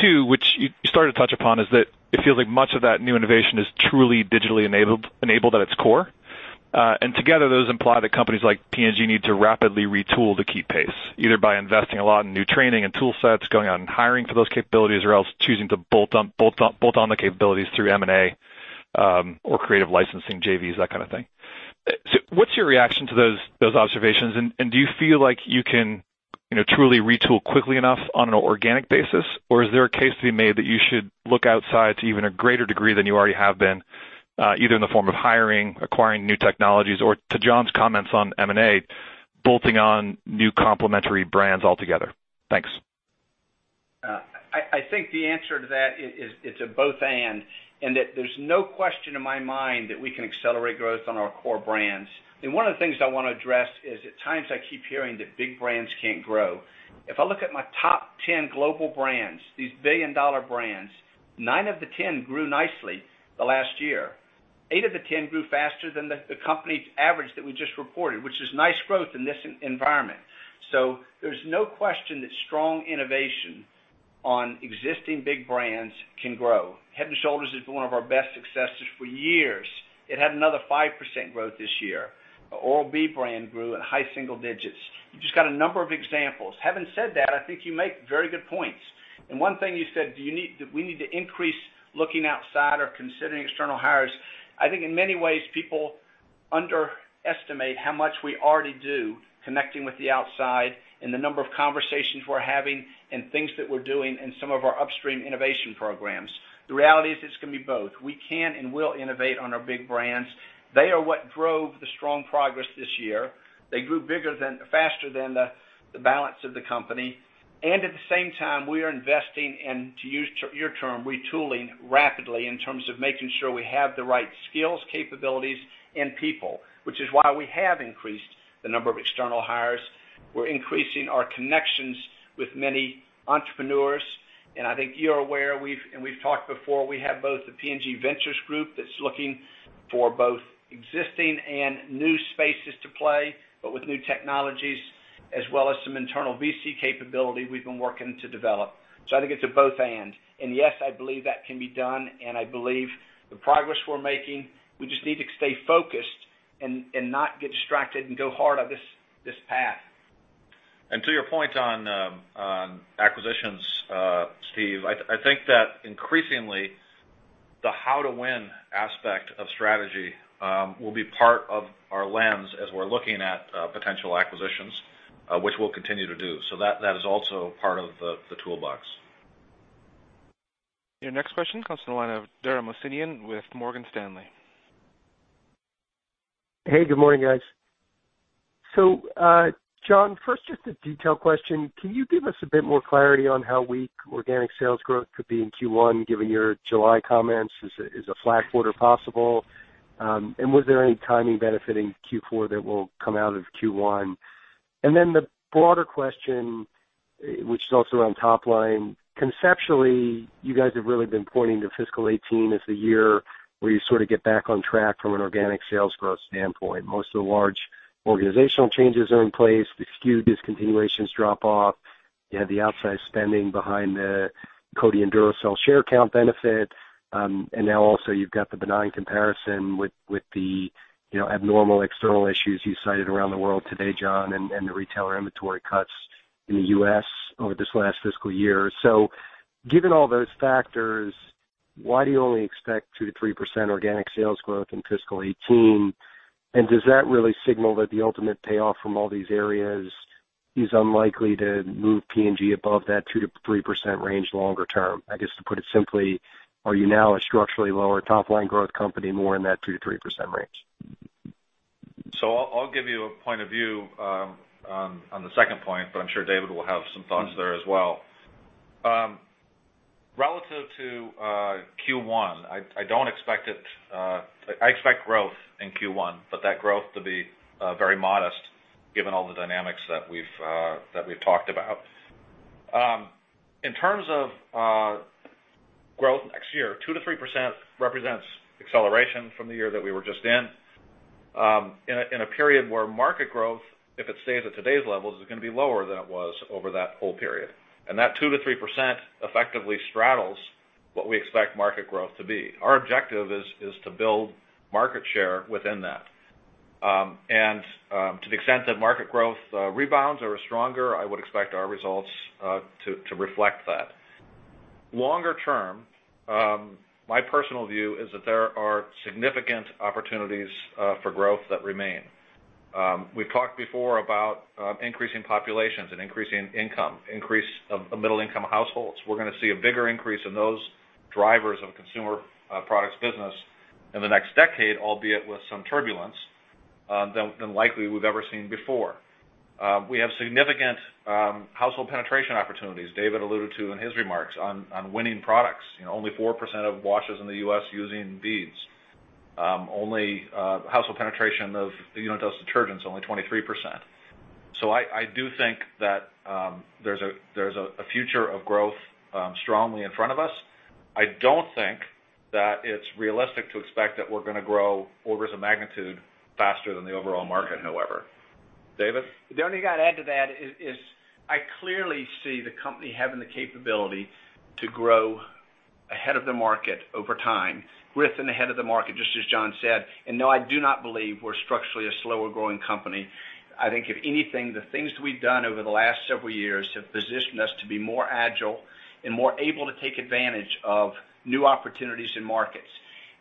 Speaker 4: Two, which you started to touch upon, is that it feels like much of that new innovation is truly digitally enabled at its core. Together, those imply that companies like P&G need to rapidly retool to keep pace, either by investing a lot in new training and tool sets, going out and hiring for those capabilities, or else choosing to bolt on the capabilities through M&A or creative licensing, JVs, that kind of thing. What's your reaction to those observations, and do you feel like you can truly retool quickly enough on an organic basis? Or is there a case to be made that you should look outside to even a greater degree than you already have been, either in the form of hiring, acquiring new technologies, or to Jon's comments on M&A, bolting on new complementary brands altogether? Thanks.
Speaker 3: I think the answer to that is it's a both and, that there's no question in my mind that we can accelerate growth on our core brands. One of the things I want to address is, at times I keep hearing that big brands can't grow. If I look at my top 10 global brands, these billion-dollar brands, nine of the 10 grew nicely the last year. Eight of the 10 grew faster than the company's average that we just reported, which is nice growth in this environment. There's no question that strong innovation on existing big brands can grow. Head & Shoulders has been one of our best successes for years. It had another 5% growth this year. The Oral-B brand grew at high single digits. You just got a number of examples. Having said that, I think you make very good points. One thing you said, do we need to increase looking outside or considering external hires? I think in many ways, people underestimate how much we already do connecting with the outside and the number of conversations we're having and things that we're doing in some of our upstream innovation programs. The reality is it's going to be both. We can and will innovate on our big brands. They are what drove the strong progress this year. They grew faster than the balance of the company. At the same time, we are investing and, to use your term, retooling rapidly in terms of making sure we have the right skills, capabilities, and people, which is why we have increased the number of external hires. We're increasing our connections with many entrepreneurs. I think you're aware, we've talked before, we have both the P&G Ventures group that's looking for both existing and new spaces to play, but with new technologies, as well as some internal VC capability we've been working to develop. I think it's a both and. Yes, I believe that can be done, and I believe the progress we're making, we just need to stay focused and not get distracted and go hard on this path.
Speaker 2: To your point on acquisitions, Steve, I think that increasingly, the how to win aspect of strategy will be part of our lens as we're looking at potential acquisitions, which we'll continue to do. That is also part of the toolbox.
Speaker 1: Your next question comes from the line of Dara Mohsenian with Morgan Stanley.
Speaker 5: Hey, good morning, guys. Jon, first, just a detailed question. Can you give us a bit more clarity on how weak organic sales growth could be in Q1, given your July comments? Is a flat quarter possible? Was there any timing benefiting Q4 that will come out of Q1? Then the broader question, which is also around top line, conceptually, you guys have really been pointing to fiscal 2018 as the year where you sort of get back on track from an organic sales growth standpoint. Most of the large organizational changes are in place. The SKU discontinuations drop off. You have the outsized spending behind the Coty and Duracell share count benefit. Now also you've got the benign comparison with the abnormal external issues you cited around the world today, Jon, and the retailer inventory cuts in the U.S. over this last fiscal year. Given all those factors, why do you only expect 2%-3% organic sales growth in fiscal 2018? Does that really signal that the ultimate payoff from all these areas is unlikely to move P&G above that 2%-3% range longer term? I guess to put it simply, are you now a structurally lower top-line growth company more in that 2%-3% range?
Speaker 2: I'll give you a point of view on the second point, but I'm sure David will have some thoughts there as well. Relative to Q1, I expect growth in Q1, but that growth to be very modest given all the dynamics that we've talked about. In terms of growth next year, 2%-3% represents acceleration from the year that we were just in a period where market growth, if it stays at today's levels, is going to be lower than it was over that whole period. That 2%-3% effectively straddles what we expect market growth to be. Our objective is to build market share within that. To the extent that market growth rebounds or is stronger, I would expect our results to reflect that. Longer term, my personal view is that there are significant opportunities for growth that remain. We've talked before about increasing populations and increasing income, increase of middle-income households. We're going to see a bigger increase in those drivers of consumer products business in the next decade, albeit with some turbulence, than likely we've ever seen before. We have significant household penetration opportunities. David alluded to in his remarks on winning products. Only 4% of washes in the U.S. using beads. Household penetration of unit dose detergent's only 23%. I do think that there's a future of growth strongly in front of us. I don't think that it's realistic to expect that we're going to grow orders of magnitude faster than the overall market, however. David?
Speaker 3: The only thing I'd add to that is I clearly see the company having the capability to grow ahead of the market over time, with and ahead of the market, just as Jon said. No, I do not believe we're structurally a slower growing company. I think if anything, the things that we've done over the last several years have positioned us to be more agile and more able to take advantage of new opportunities in markets.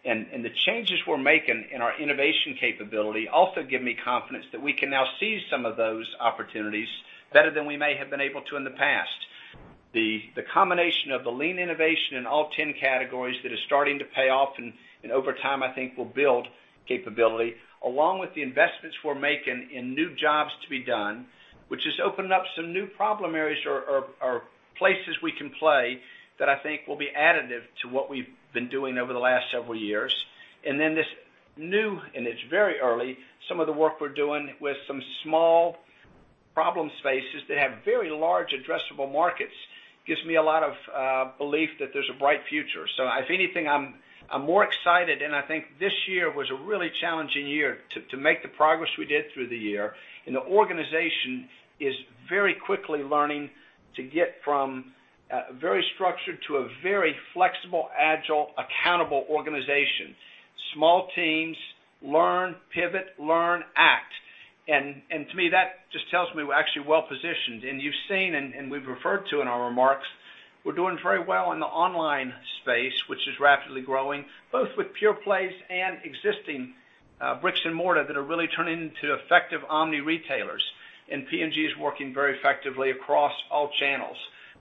Speaker 3: The changes we're making in our innovation capability also give me confidence that we can now seize some of those opportunities better than we may have been able to in the past. The combination of the lean innovation in all 10 categories that is starting to pay off, and over time, I think will build capability, along with the investments we're making in new jobs to be done, which has opened up some new problem areas or places we can play that I think will be additive to what we've been doing over the last several years. Then this new, and it's very early, some of the work we're doing with some small problem spaces that have very large addressable markets gives me a lot of belief that there's a bright future. If anything, I'm more excited, and I think this year was a really challenging year to make the progress we did through the year. The organization is very quickly learning to get from very structured to a very flexible, agile, accountable organization. Small teams learn, pivot, learn, act. To me, that just tells me we're actually well-positioned. You've seen, and we've referred to in our remarks, we're doing very well in the online space, which is rapidly growing, both with pure plays and existing bricks and mortar that are really turning into effective omni-retailers. P&G is working very effectively across all channels.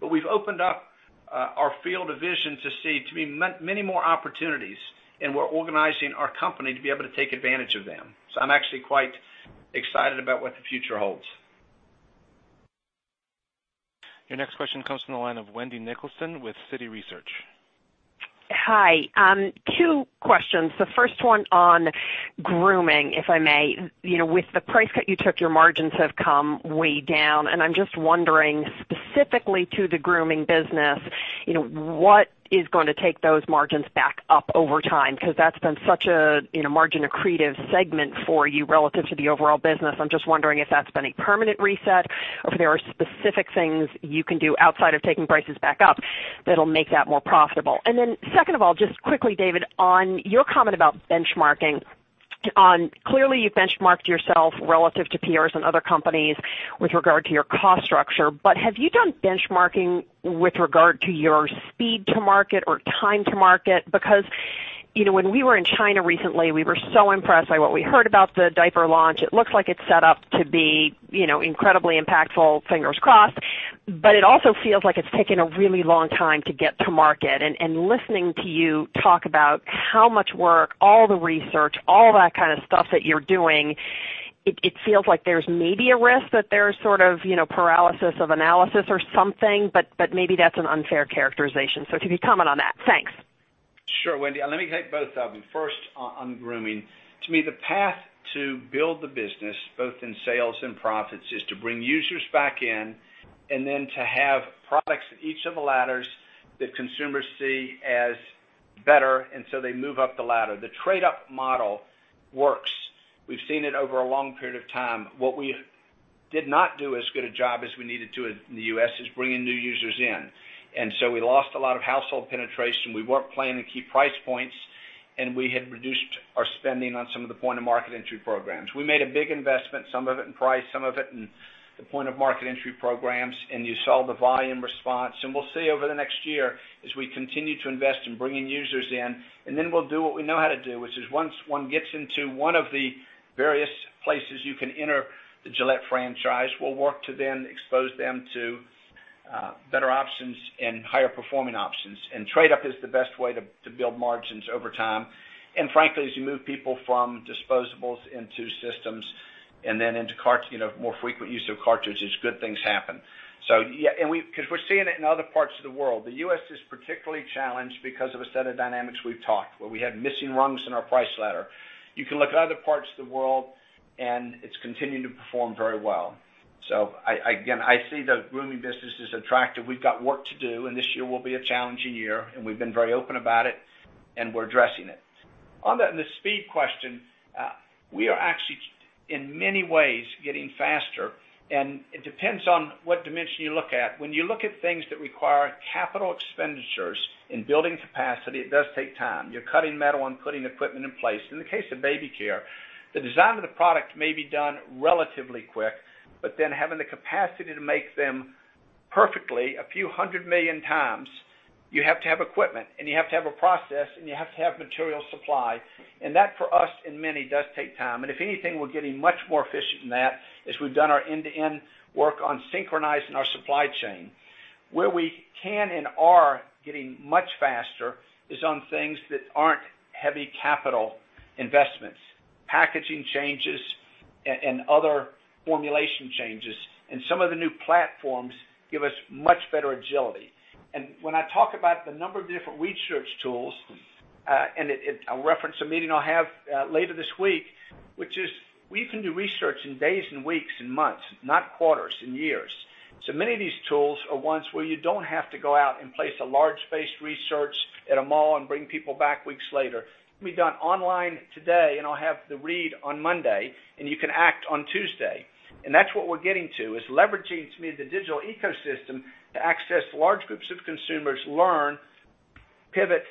Speaker 3: We've opened up our field of vision to see to me, many more opportunities, and we're organizing our company to be able to take advantage of them. I'm actually quite excited about what the future holds.
Speaker 1: Your next question comes from the line of Wendy Nicholson with Citi Research.
Speaker 6: Hi. Two questions. The first one on grooming, if I may. With the price cut you took, your margins have come way down, and I'm just wondering specifically to the grooming business, what is going to take those margins back up over time? Because that's been such a margin-accretive segment for you relative to the overall business. I'm just wondering if that's been a permanent reset, or if there are specific things you can do outside of taking prices back up that'll make that more profitable. Second of all, just quickly, David, on your comment about benchmarking on-- clearly you've benchmarked yourself relative to peers and other companies with regard to your cost structure. Have you done benchmarking with regard to your speed to market or time to market? When we were in China recently, we were so impressed by what we heard about the diaper launch. It looks like it's set up to be incredibly impactful, fingers crossed. It also feels like it's taken a really long time to get to market. Listening to you talk about how much work, all the research, all that kind of stuff that you're doing, it feels like there's maybe a risk that there's sort of paralysis of analysis or something, but maybe that's an unfair characterization. If you could comment on that. Thanks.
Speaker 3: Sure, Wendy. Let me take both of them. First on grooming. To me, the path to build the business, both in sales and profits, is to bring users back in, then to have products at each of the ladders that consumers see as better, so they move up the ladder. The trade-up model works. We've seen it over a long period of time. What we did not do as good a job as we needed to in the U.S. is bringing new users in. We lost a lot of household penetration. We weren't playing the key price points, we had reduced our spending on some of the point-of-market entry programs. We made a big investment, some of it in price, some of it in the point-of-market entry programs, you saw the volume response. We'll see over the next year as we continue to invest in bringing users in, then we'll do what we know how to do, which is once one gets into one of the various places you can enter the Gillette franchise, we'll work to then expose them to better options and higher performing options. Trade-up is the best way to build margins over time. Frankly, as you move people from disposables into systems, then into more frequent use of cartridges, good things happen. We're seeing it in other parts of the world. The U.S. is particularly challenged because of a set of dynamics we've talked, where we had missing rungs in our price ladder. You can look at other parts of the world, it's continuing to perform very well. Again, I see the grooming business as attractive. We've got work to do, this year will be a challenging year, we've been very open about it, we're addressing it. On the speed question, we are actually, in many ways, getting faster, it depends on what dimension you look at. When you look at things that require capital expenditures in building capacity, it does take time. You're cutting metal and putting equipment in place. In the case of baby care, the design of the product may be done relatively quick, then having the capacity to make them perfectly a few hundred million times, you have to have equipment, you have to have a process, you have to have material supply. That, for us and many, does take time. If anything, we're getting much more efficient in that, as we've done our end-to-end work on synchronizing our supply chain. Where we can and are getting much faster is on things that aren't heavy capital investments, packaging changes and other formulation changes. Some of the new platforms give us much better agility. When I talk about the number of different research tools, and I'll reference a meeting I'll have later this week, which is, we can do research in days and weeks and months, not quarters and years. Many of these tools are ones where you don't have to go out and place a large-based research at a mall and bring people back weeks later. It can be done online today, and I'll have the read on Monday, and you can act on Tuesday. That's what we're getting to, is leveraging the digital ecosystem to access large groups of consumers, learn, pivot,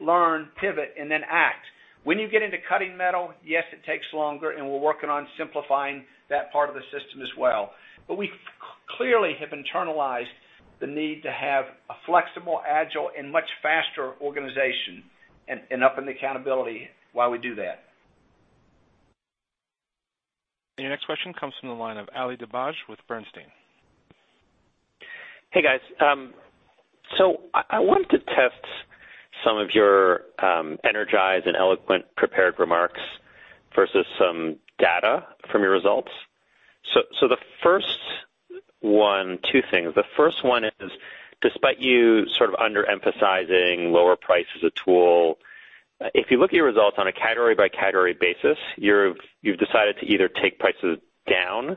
Speaker 3: learn, pivot, and then act. When you get into cutting metal, yes, it takes longer, and we're working on simplifying that part of the system as well. We clearly have internalized the need to have a flexible, agile, and much faster organization, and upping the accountability while we do that.
Speaker 1: Your next question comes from the line of Ali Dibadj with Bernstein.
Speaker 7: Hey, guys. I want to test some of your energized and eloquent prepared remarks versus some data from your results. The first one, two things. The first one is, despite you sort of under-emphasizing lower price as a tool, if you look at your results on a category by category basis, you've decided to either take prices down,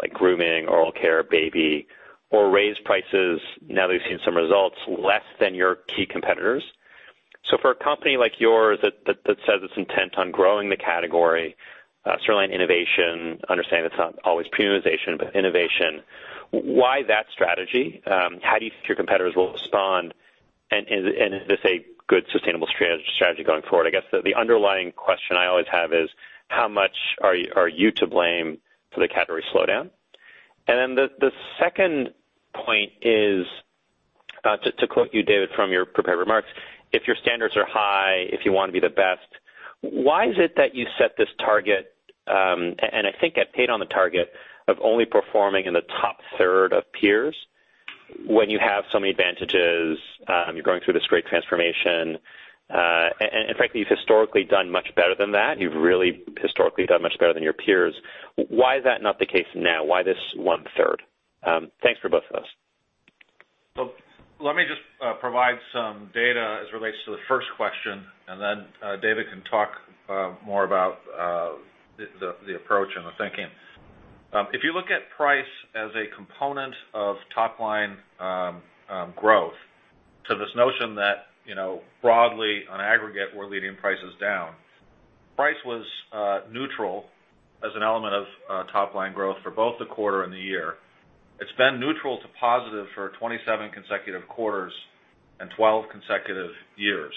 Speaker 7: like grooming, oral care, baby, or raise prices now that you've seen some results less than your key competitors. For a company like yours that says it's intent on growing the category, certainly innovation, understanding it's not always premiumization, but innovation, why that strategy? How do you think your competitors will respond? Is this a good sustainable strategy going forward? I guess the underlying question I always have is, how much are you to blame for the category slowdown? The second point is, to quote you, David, from your prepared remarks, if your standards are high, if you want to be the best, why is it that you set this target, and I think get paid on the target, of only performing in the top third of peers when you have so many advantages, you're going through this great transformation, and frankly, you've historically done much better than that. You've really historically done much better than your peers. Why is that not the case now? Why this one-third? Thanks for both of those.
Speaker 2: Let me just provide some data as it relates to the first question, and then David can talk more about the approach and the thinking. If you look at price as a component of top line growth, to this notion that broadly, on aggregate, we're leading prices down. Price was neutral as an element of top line growth for both the quarter and the year. It's been neutral to positive for 27 consecutive quarters and 12 consecutive years.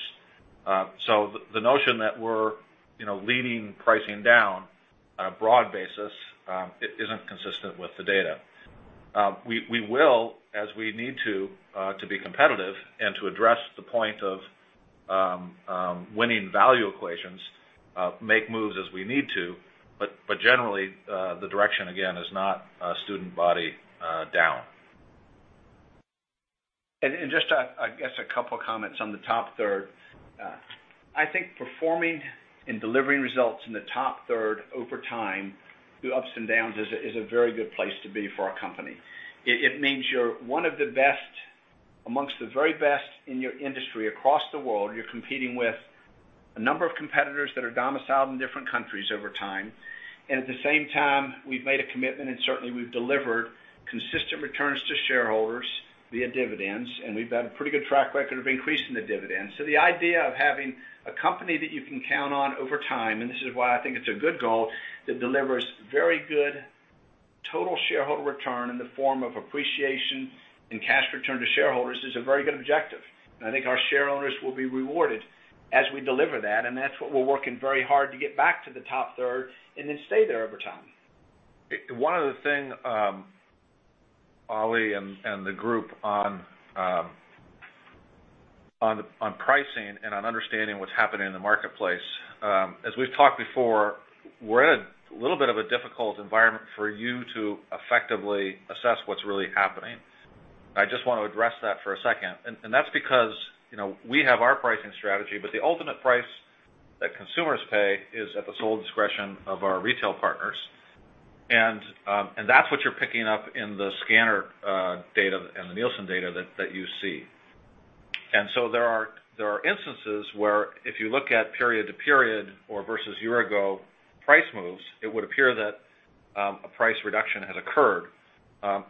Speaker 2: The notion that we're leading pricing down on a broad basis isn't consistent with the data. We will, as we need to be competitive and to address the point of winning value equations, make moves as we need to, but generally, the direction, again, is not [student body down]. Just, I guess, a couple of comments on the top third. I think performing and delivering results in the top third over time through ups and downs is a very good place to be for our company. It means you're one of the best amongst the very best in your industry across the world. You're competing with a number of competitors that are domiciled in different countries over time. At the same time, we've made a commitment, and certainly we've delivered consistent returns to shareholders via dividends, and we've had a pretty good track record of increasing the dividends. The idea of having a company that you can count on over time, and this is why I think it's a good goal, that delivers very good total shareholder return in the form of appreciation and cash return to shareholders is a very good objective.
Speaker 3: I think our shareholders will be rewarded as we deliver that, and that's what we're working very hard to get back to the top third and then stay there over time. One other thing, Ali and the group.
Speaker 2: On pricing and on understanding what's happening in the marketplace. As we've talked before, we're in a little bit of a difficult environment for you to effectively assess what's really happening. I just want to address that for a second. That's because, we have our pricing strategy, but the ultimate price that consumers pay is at the sole discretion of our retail partners. That's what you're picking up in the scanner data and the Nielsen data that you see. There are instances where if you look at period to period or versus year-ago price moves, it would appear that a price reduction has occurred.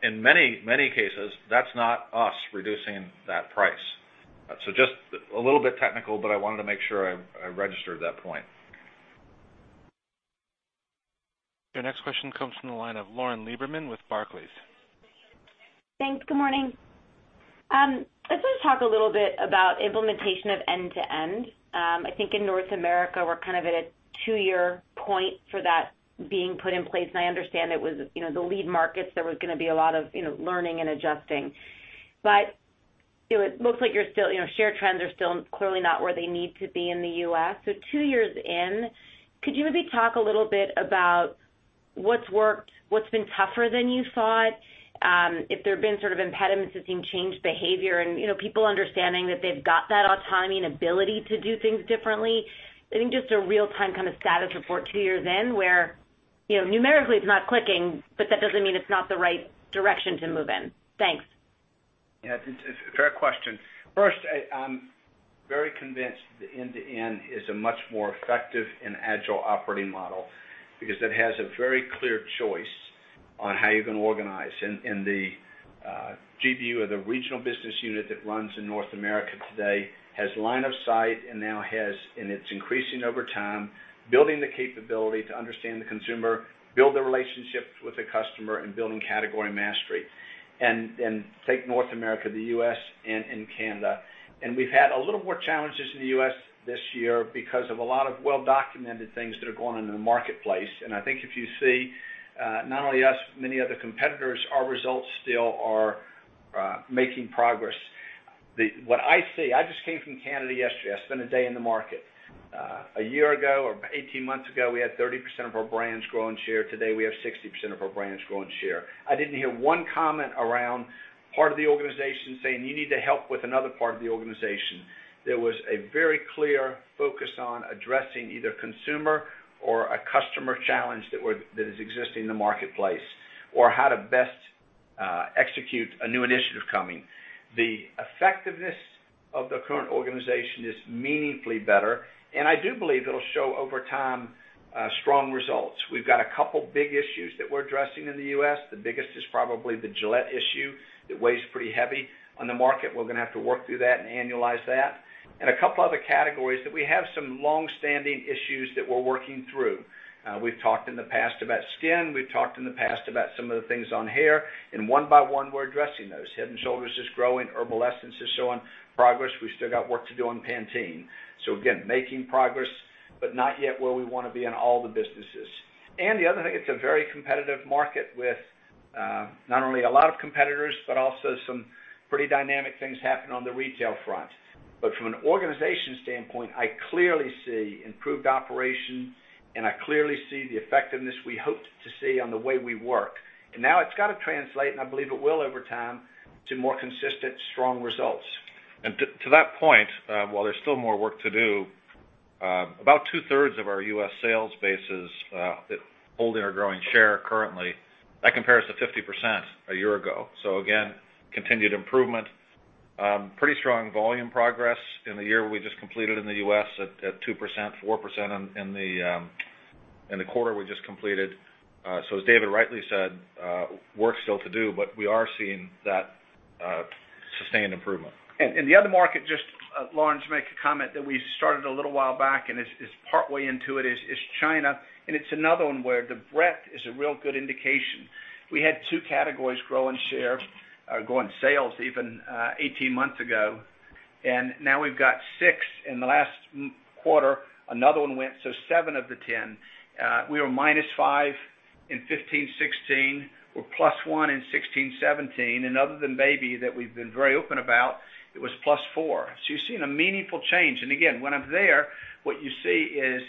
Speaker 2: In many, many cases, that's not us reducing that price. Just a little bit technical, but I wanted to make sure I registered that point.
Speaker 1: Your next question comes from the line of Lauren Lieberman with Barclays.
Speaker 8: Thanks. Good morning. I just want to talk a little bit about implementation of end-to-end. I think in North America, we're at a two-year point for that being put in place, and I understand it was the lead markets, there was going to be a lot of learning and adjusting. It looks like share trends are still clearly not where they need to be in the U.S. Two years in, could you maybe talk a little bit about what's worked, what's been tougher than you thought, if there have been sort of impediments to seeing changed behavior and people understanding that they've got that autonomy and ability to do things differently? I think just a real-time kind of status report two years in where, numerically it's not clicking, but that doesn't mean it's not the right direction to move in. Thanks.
Speaker 3: Yeah, it's a fair question. First, I'm very convinced that end-to-end is a much more effective and agile operating model because it has a very clear choice on how you're going to organize. The GBU or the regional business unit that runs in North America today has line of sight and now has, and it's increasing over time, building the capability to understand the consumer, build the relationships with the customer, and building category mastery. Take North America, the U.S., and Canada. We've had a little more challenges in the U.S. this year because of a lot of well-documented things that are going on in the marketplace. I think if you see, not only us, many other competitors, our results still are making progress. What I see. I just came from Canada yesterday. I spent a day in the market. A year ago or 18 months ago, we had 30% of our brands growing share. Today, we have 60% of our brands growing share. I didn't hear one comment around part of the organization saying, "You need to help with another part of the organization." There was a very clear focus on addressing either consumer or a customer challenge that is existing in the marketplace, or how to best execute a new initiative coming. The effectiveness of the current organization is meaningfully better, and I do believe it'll show over time, strong results. We've got a couple big issues that we're addressing in the U.S. The biggest is probably the Gillette issue, that weighs pretty heavy on the market. We're going to have to work through that and annualize that. A couple other categories that we have some longstanding issues that we're working through. We've talked in the past about skin. We've talked in the past about some of the things on hair. One by one, we're addressing those. Head & Shoulders is growing. Herbal Essences showing progress. We've still got work to do on Pantene. Again, making progress, but not yet where we want to be in all the businesses. The other thing, it's a very competitive market with, not only a lot of competitors, but also some pretty dynamic things happening on the retail front. From an organization standpoint, I clearly see improved operation, and I clearly see the effectiveness we hoped to see on the way we work. Now it's got to translate, and I believe it will over time, to more consistent, strong results.
Speaker 2: To that point, while there's still more work to do, about two-thirds of our U.S. sales bases, holding or growing share currently. That compares to 50% a year ago. Again, continued improvement. Pretty strong volume progress in the year we just completed in the U.S. at 2%, 4% in the quarter we just completed. As David rightly said, work still to do, but we are seeing that sustained improvement.
Speaker 3: The other market, just Lauren, to make a comment that we started a little while back, and it's partway into it is China, and it's another one where the breadth is a real good indication. We had two categories grow in share, grow in sales, even 18 months ago. Now we've got six. In the last quarter, another one went, so seven of the 10. We were minus five in 2015, 2016. We're plus one in 2016, 2017. Other than Baby that we've been very open about, it was plus four. You're seeing a meaningful change. Again, when I'm there, what you see is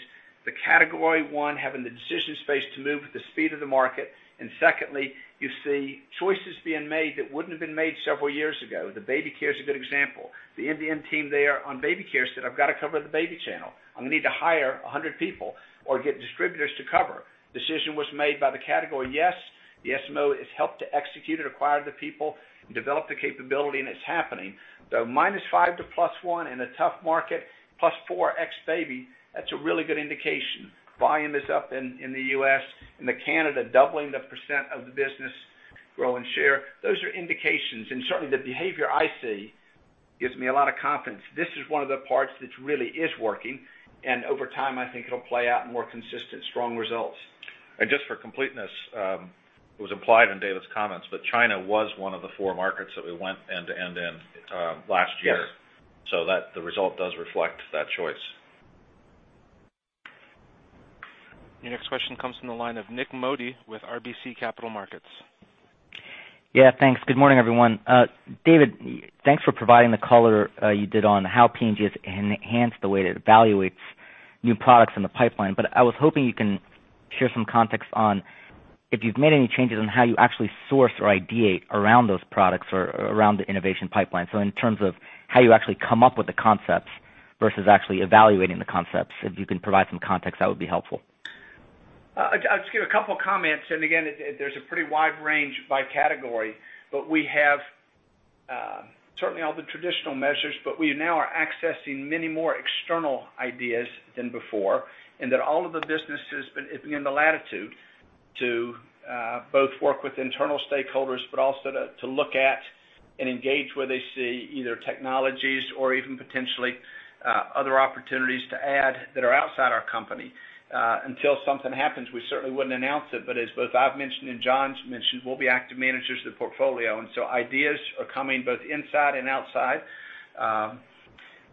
Speaker 3: the category 1, having the decision space to move at the speed of the market. Secondly, you see choices being made that wouldn't have been made several years ago. The baby care is a good example. The MDM team there on baby care said, "I've got to cover the baby channel. I'm going to need to hire 100 people or get distributors to cover." Decision was made by the category, yes. The SMO has helped to execute and acquire the people and develop the capability, and it's happening. Minus 5 to +1 in a tough market, +4 ex Baby, that's a really good indication. Volume is up in the U.S. and the Canada, doubling the % of the business grow in share. Those are indications, and certainly the behavior I see gives me a lot of confidence. This is one of the parts that really is working, and over time, I think it'll play out in more consistent, strong results.
Speaker 2: Just for completeness, it was implied in David's comments, but China was one of the four markets that we went end-to-end in last year.
Speaker 3: Yes.
Speaker 2: The result does reflect that choice.
Speaker 1: Your next question comes from the line of Nik Modi with RBC Capital Markets.
Speaker 9: Thanks. David, thanks for providing the color you did on how P&G has enhanced the way it evaluates new products in the pipeline. I was hoping you can share some context on if you've made any changes on how you actually source or ideate around those products or around the innovation pipeline. In terms of how you actually come up with the concepts versus actually evaluating the concepts. If you can provide some context, that would be helpful.
Speaker 3: I'll just give a couple of comments. Again, there's a pretty wide range by category, we have certainly all the traditional measures, we now are accessing many more external ideas than before, and that all of the businesses have been given the latitude to both work with internal stakeholders, also to look at and engage where they see either technologies or even potentially other opportunities to add that are outside our company. Until something happens, we certainly wouldn't announce it, as both I've mentioned and Jon's mentioned, we'll be active managers of the portfolio. Ideas are coming both inside and outside.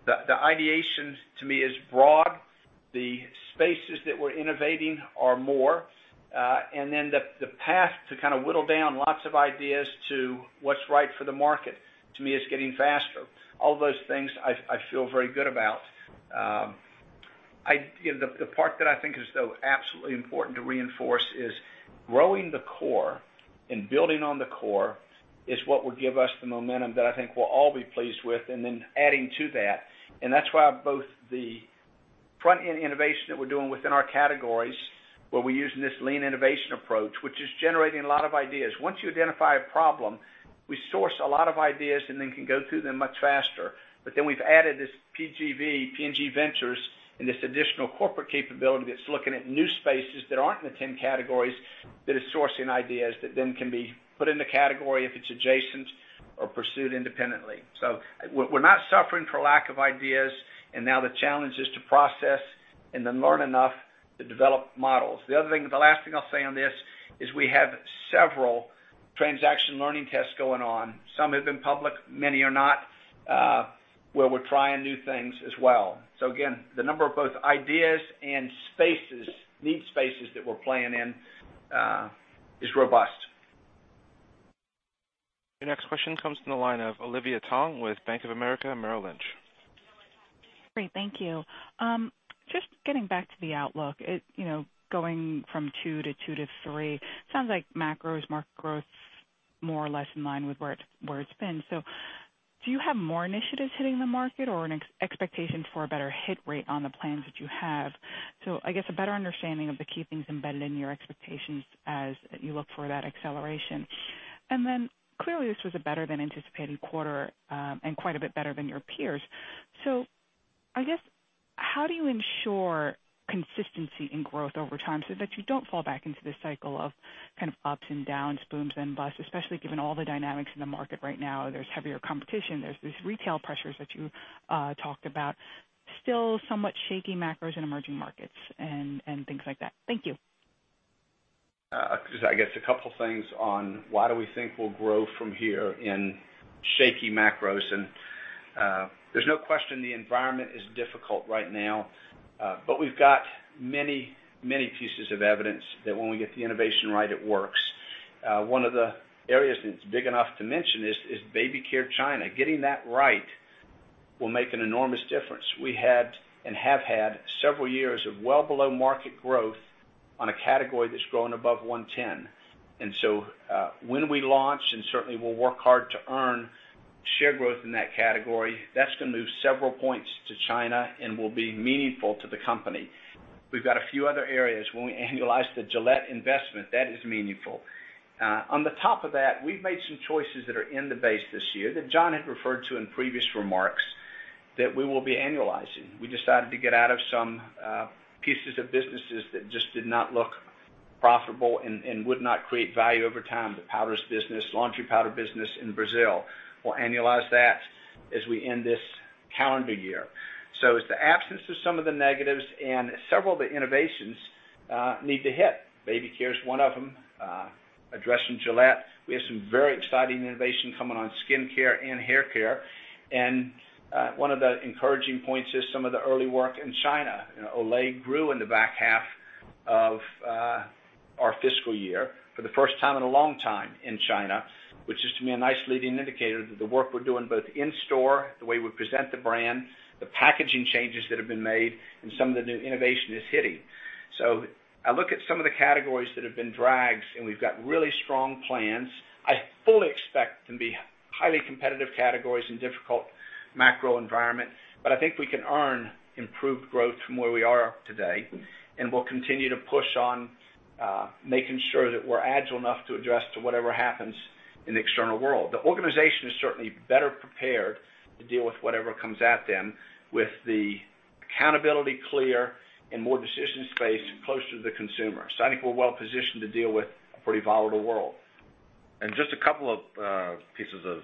Speaker 3: The ideation to me is broad. The spaces that we're innovating are more. The path to kind of whittle down lots of ideas to what's right for the market, to me, is getting faster. All those things I feel very good about. The part that I think is though absolutely important to reinforce is growing the core and building on the core is what will give us the momentum that I think we'll all be pleased with, and then adding to that. That's why both the front-end innovation that we're doing within our categories, where we're using this lean innovation approach, which is generating a lot of ideas. Once you identify a problem, we source a lot of ideas and then can go through them much faster. We've added this PGV, P&G Ventures, and this additional corporate capability that's looking at new spaces that aren't in the 10 categories, that is sourcing ideas that then can be put in the category if it's adjacent or pursued independently. We're not suffering for lack of ideas, and now the challenge is to process and then learn enough to develop models. The other thing, the last thing I'll say on this is we have several transaction learning tests going on. Some have been public, many are not, where we're trying new things as well. Again, the number of both ideas and need spaces that we're playing in is robust.
Speaker 1: Your next question comes from the line of Olivia Tong with Bank of America Merrill Lynch.
Speaker 10: Great, thank you. Just getting back to the outlook, going from two to two to three, sounds like macro is more growth, more or less in line with where it's been. Do you have more initiatives hitting the market or an expectation for a better hit rate on the plans that you have? I guess a better understanding of the key things embedded in your expectations as you look for that acceleration. Clearly, this was a better than anticipated quarter, and quite a bit better than your peers. I guess, how do you ensure consistency in growth over time so that you don't fall back into the cycle of kind of ups and downs, booms and busts, especially given all the dynamics in the market right now. There's heavier competition, there's these retail pressures that you talked about. Still somewhat shaky macros in emerging markets and things like that. Thank you.
Speaker 3: I guess a couple things on why do we think we'll grow from here in shaky macros. There's no question the environment is difficult right now, but we've got many pieces of evidence that when we get the innovation right, it works. One of the areas that's big enough to mention is Baby Care China. Getting that right will make an enormous difference. We had and have had several years of well below market growth on a category that's growing above 110. When we launch, and certainly we'll work hard to earn share growth in that category, that's going to move several points to China and will be meaningful to the company. We've got a few other areas. When we annualize the Gillette investment, that is meaningful. On top of that, we've made some choices that are in the base this year that Jon had referred to in previous remarks, that we will be annualizing. We decided to get out of some pieces of businesses that just did not look profitable and would not create value over time. The powders business, laundry powder business in Brazil. We'll annualize that as we end this calendar year. It's the absence of some of the negatives and several of the innovations need to hit. Baby Care is one of them. Addressing Gillette. We have some very exciting innovation coming on skincare and haircare. One of the encouraging points is some of the early work in China. Olay grew in the back half of our fiscal year for the first time in a long time in China, which is to me a nice leading indicator that the work we're doing both in store, the way we present the brand, the packaging changes that have been made, and some of the new innovation is hitting. I look at some of the categories that have been drags, and we've got really strong plans. I fully expect them to be highly competitive categories in difficult macro environment. I think we can earn improved growth from where we are today, and we'll continue to push on making sure that we're agile enough to address to whatever happens in the external world. The organization is certainly better prepared to deal with whatever comes at them with the accountability clear and more decision space closer to the consumer. I think we're well positioned to deal with a pretty volatile world.
Speaker 2: Just a couple of pieces of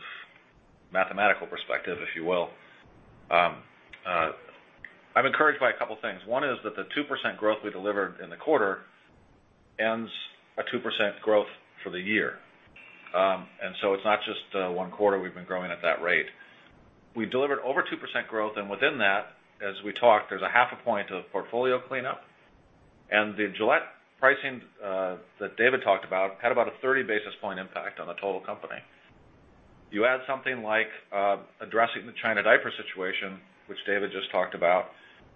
Speaker 2: mathematical perspective, if you will. I'm encouraged by a couple things. One is that the 2% growth we delivered in the quarter Ends a 2% growth for the year. It's not just one quarter we've been growing at that rate. We delivered over 2% growth, and within that, as we talked, there's a half a point of portfolio cleanup. The Gillette pricing that David talked about had about a 30 basis point impact on the total company. You add something like addressing the China diaper situation, which David just talked about,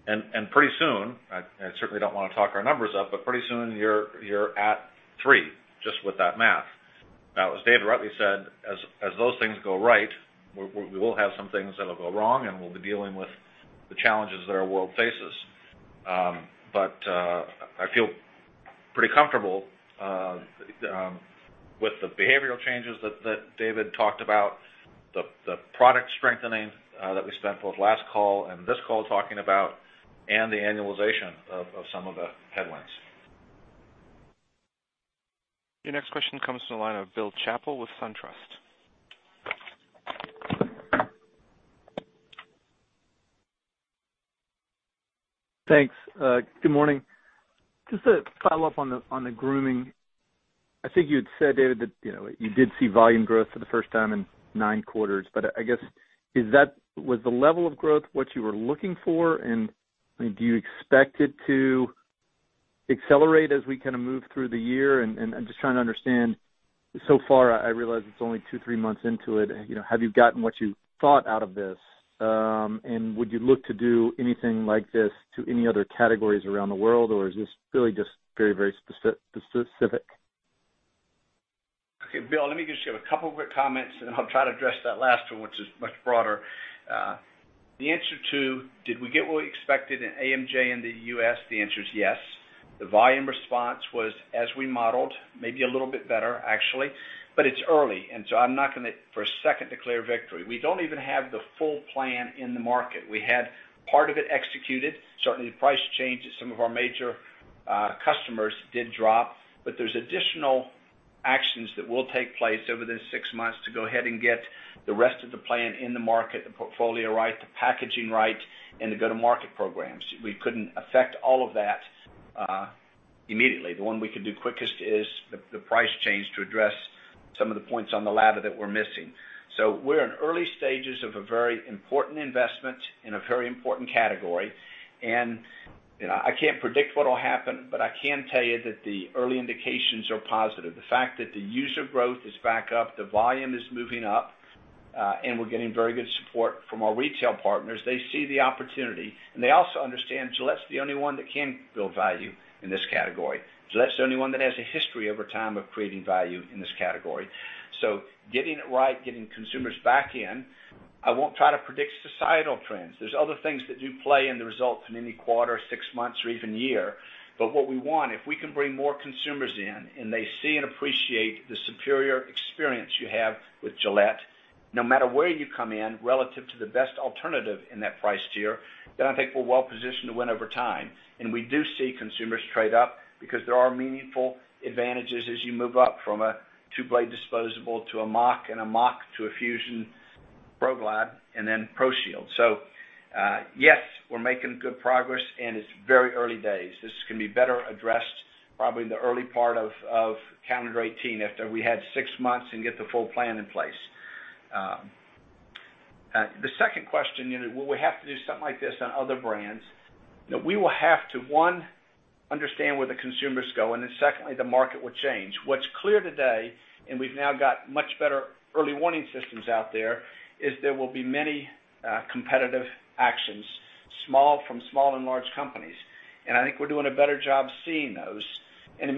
Speaker 2: and pretty soon, I certainly don't want to talk our numbers up, but pretty soon you're at three just with that math. Now, as David rightly said, as those things go right, we will have some things that'll go wrong, and we'll be dealing with the challenges that our world faces. I feel pretty comfortable with the behavioral changes that David talked about, the product strengthening that we spent both last call and this call talking about, and the annualization of some of the headwinds.
Speaker 1: Your next question comes to the line of Bill Chappell with SunTrust.
Speaker 11: Thanks. Good morning. Just to follow up on the grooming. I think you had said, David, that you did see volume growth for the first time in nine quarters, I guess, was the level of growth what you were looking for? Do you expect it to accelerate as we kind of move through the year? I'm just trying to understand. So far, I realize it's only two, three months into it, have you gotten what you thought out of this? Would you look to do anything like this to any other categories around the world, or is this really just very specific?
Speaker 3: Okay, Bill, let me just give a couple of quick comments. I'll try to address that last one, which is much broader. The answer to, did we get what we expected in AMJ in the U.S., the answer is yes. The volume response was as we modeled, maybe a little bit better, actually. It's early, I'm not going to, for a second, declare victory. We don't even have the full plan in the market. We had part of it executed. Certainly, the price changes, some of our major customers did drop. There's additional actions that will take place over this six months to go ahead and get the rest of the plan in the market, the portfolio right, the packaging right, and the go-to-market programs. We couldn't affect all of that immediately. The one we could do quickest is the price change to address some of the points on the ladder that we're missing. We're in early stages of a very important investment in a very important category. I can't predict what'll happen, but I can tell you that the early indications are positive. The fact that the user growth is back up, the volume is moving up, we're getting very good support from our retail partners. They see the opportunity, they also understand Gillette's the only one that can build value in this category. Gillette's the only one that has a history over time of creating value in this category. Getting it right, getting consumers back in. I won't try to predict societal trends. There's other things that do play in the results in any quarter, six months or even year. What we want, if we can bring more consumers in and they see and appreciate the superior experience you have with Gillette, no matter where you come in relative to the best alternative in that price tier, then I think we're well positioned to win over time. We do see consumers trade up because there are meaningful advantages as you move up from a two-blade disposable to a Mach3, a Mach3 to a Fusion ProGlide, and then ProShield. Yes, we're making good progress. It's very early days. This is going to be better addressed probably in the early part of calendar 2018 after we had six months and get the full plan in place. The second question, will we have to do something like this on other brands? We will have to, one, understand where the consumers go. Secondly, the market will change. What's clear today, we've now got much better early warning systems out there, is there will be many competitive actions from small and large companies. I think we're doing a better job seeing those. There's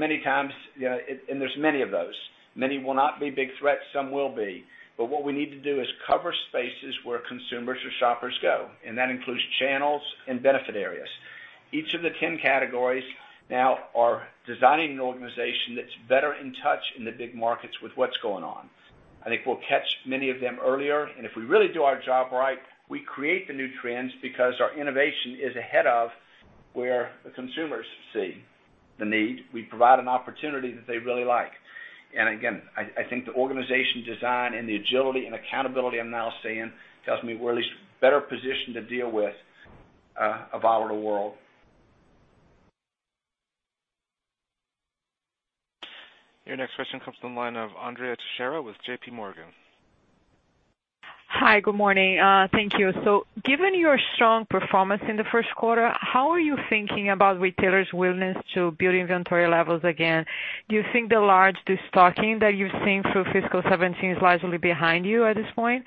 Speaker 3: many of those. Many will not be big threats, some will be. What we need to do is cover spaces where consumers or shoppers go, that includes channels and benefit areas. Each of the 10 categories now are designing an organization that's better in touch in the big markets with what's going on. I think we'll catch many of them earlier. If we really do our job right, we create the new trends because our innovation is ahead of where the consumers see the need. We provide an opportunity that they really like. Again, I think the organization design and the agility and accountability I'm now seeing tells me we're at least better positioned to deal with a volatile world.
Speaker 1: Your next question comes from the line of Andrea Teixeira with JPMorgan.
Speaker 12: Hi, good morning. Thank you. Given your strong performance in the first quarter, how are you thinking about retailers' willingness to build inventory levels again? Do you think the large destocking that you've seen through fiscal 2017 is largely behind you at this point?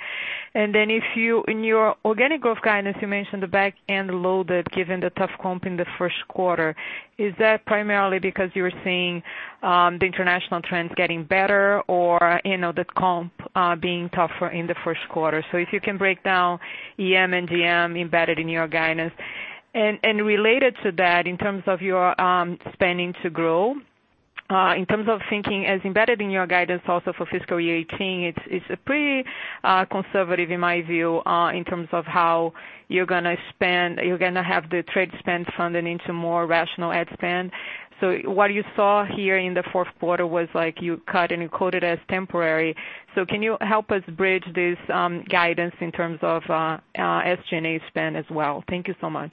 Speaker 12: Then in your organic growth guidance, you mentioned the back end loaded given the tough comp in the first quarter. Is that primarily because you're seeing the international trends getting better or the comp being tougher in the first quarter? If you can break down EM and DM embedded in your guidance. And related to that, in terms of your spending to grow, in terms of thinking as embedded in your guidance also for fiscal year 2018, it's pretty conservative, in my view, in terms of how you're going to have the trade spend funding into more rational ad spend. What you saw here in the fourth quarter was like you cut and you quoted as temporary. Can you help us bridge this guidance in terms of SG&A spend as well? Thank you so much.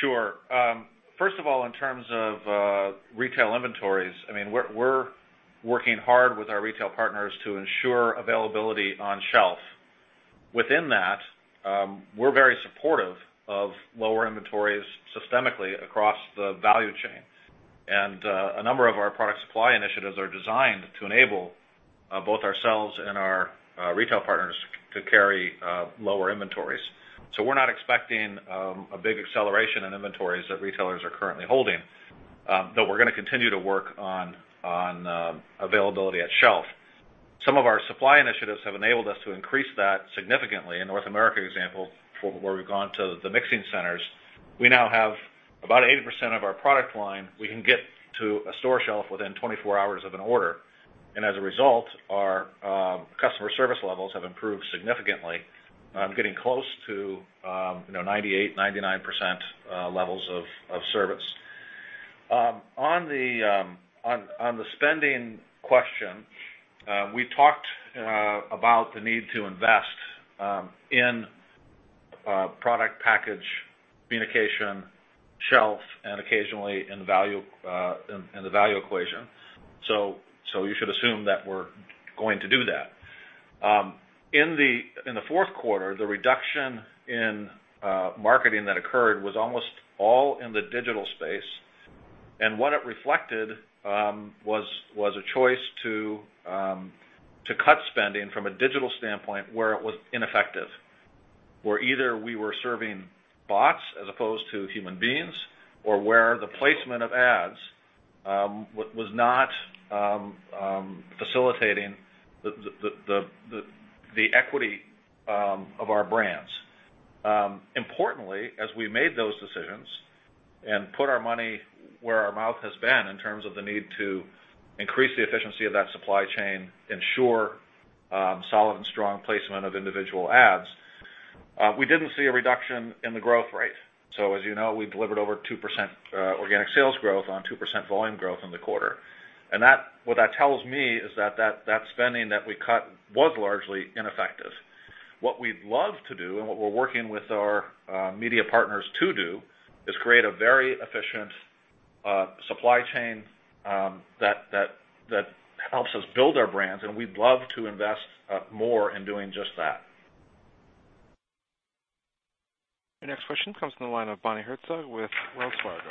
Speaker 2: Sure. First of all, in terms of retail inventories, we're working hard with our retail partners to ensure availability on shelf. Within that, we're very supportive of lower inventories systemically across the value chain. A number of our product supply initiatives are designed to enable both ourselves and our retail partners to carry lower inventories. We're not expecting a big acceleration in inventories that retailers are currently holding. We're going to continue to work on availability at shelf. Some of our supply initiatives have enabled us to increase that significantly. In North America, example, where we've gone to the mixing centers, we now have about 80% of our product line, we can get to a store shelf within 24 hours of an order. As a result, our customer service levels have improved significantly. Getting close to 98%, 99% levels of service. On the spending question, we talked about the need to invest in product package, communication, shelf, and occasionally in the value equation. You should assume that we're going to do that. In the fourth quarter, the reduction in marketing that occurred was almost all in the digital space. What it reflected was a choice to cut spending from a digital standpoint where it was ineffective. Where either we were serving bots as opposed to human beings, or where the placement of ads was not facilitating the equity of our brands. Importantly, as we made those decisions and put our money where our mouth has been in terms of the need to increase the efficiency of that supply chain, ensure solid and strong placement of individual ads, we didn't see a reduction in the growth rate. As you know, we delivered over 2% organic sales growth on 2% volume growth in the quarter. What that tells me is that spending that we cut was largely ineffective. What we'd love to do, and what we're working with our media partners to do, is create a very efficient supply chain that helps us build our brands, and we'd love to invest more in doing just that.
Speaker 1: Your next question comes from the line of Bonnie Herzog with Wells Fargo.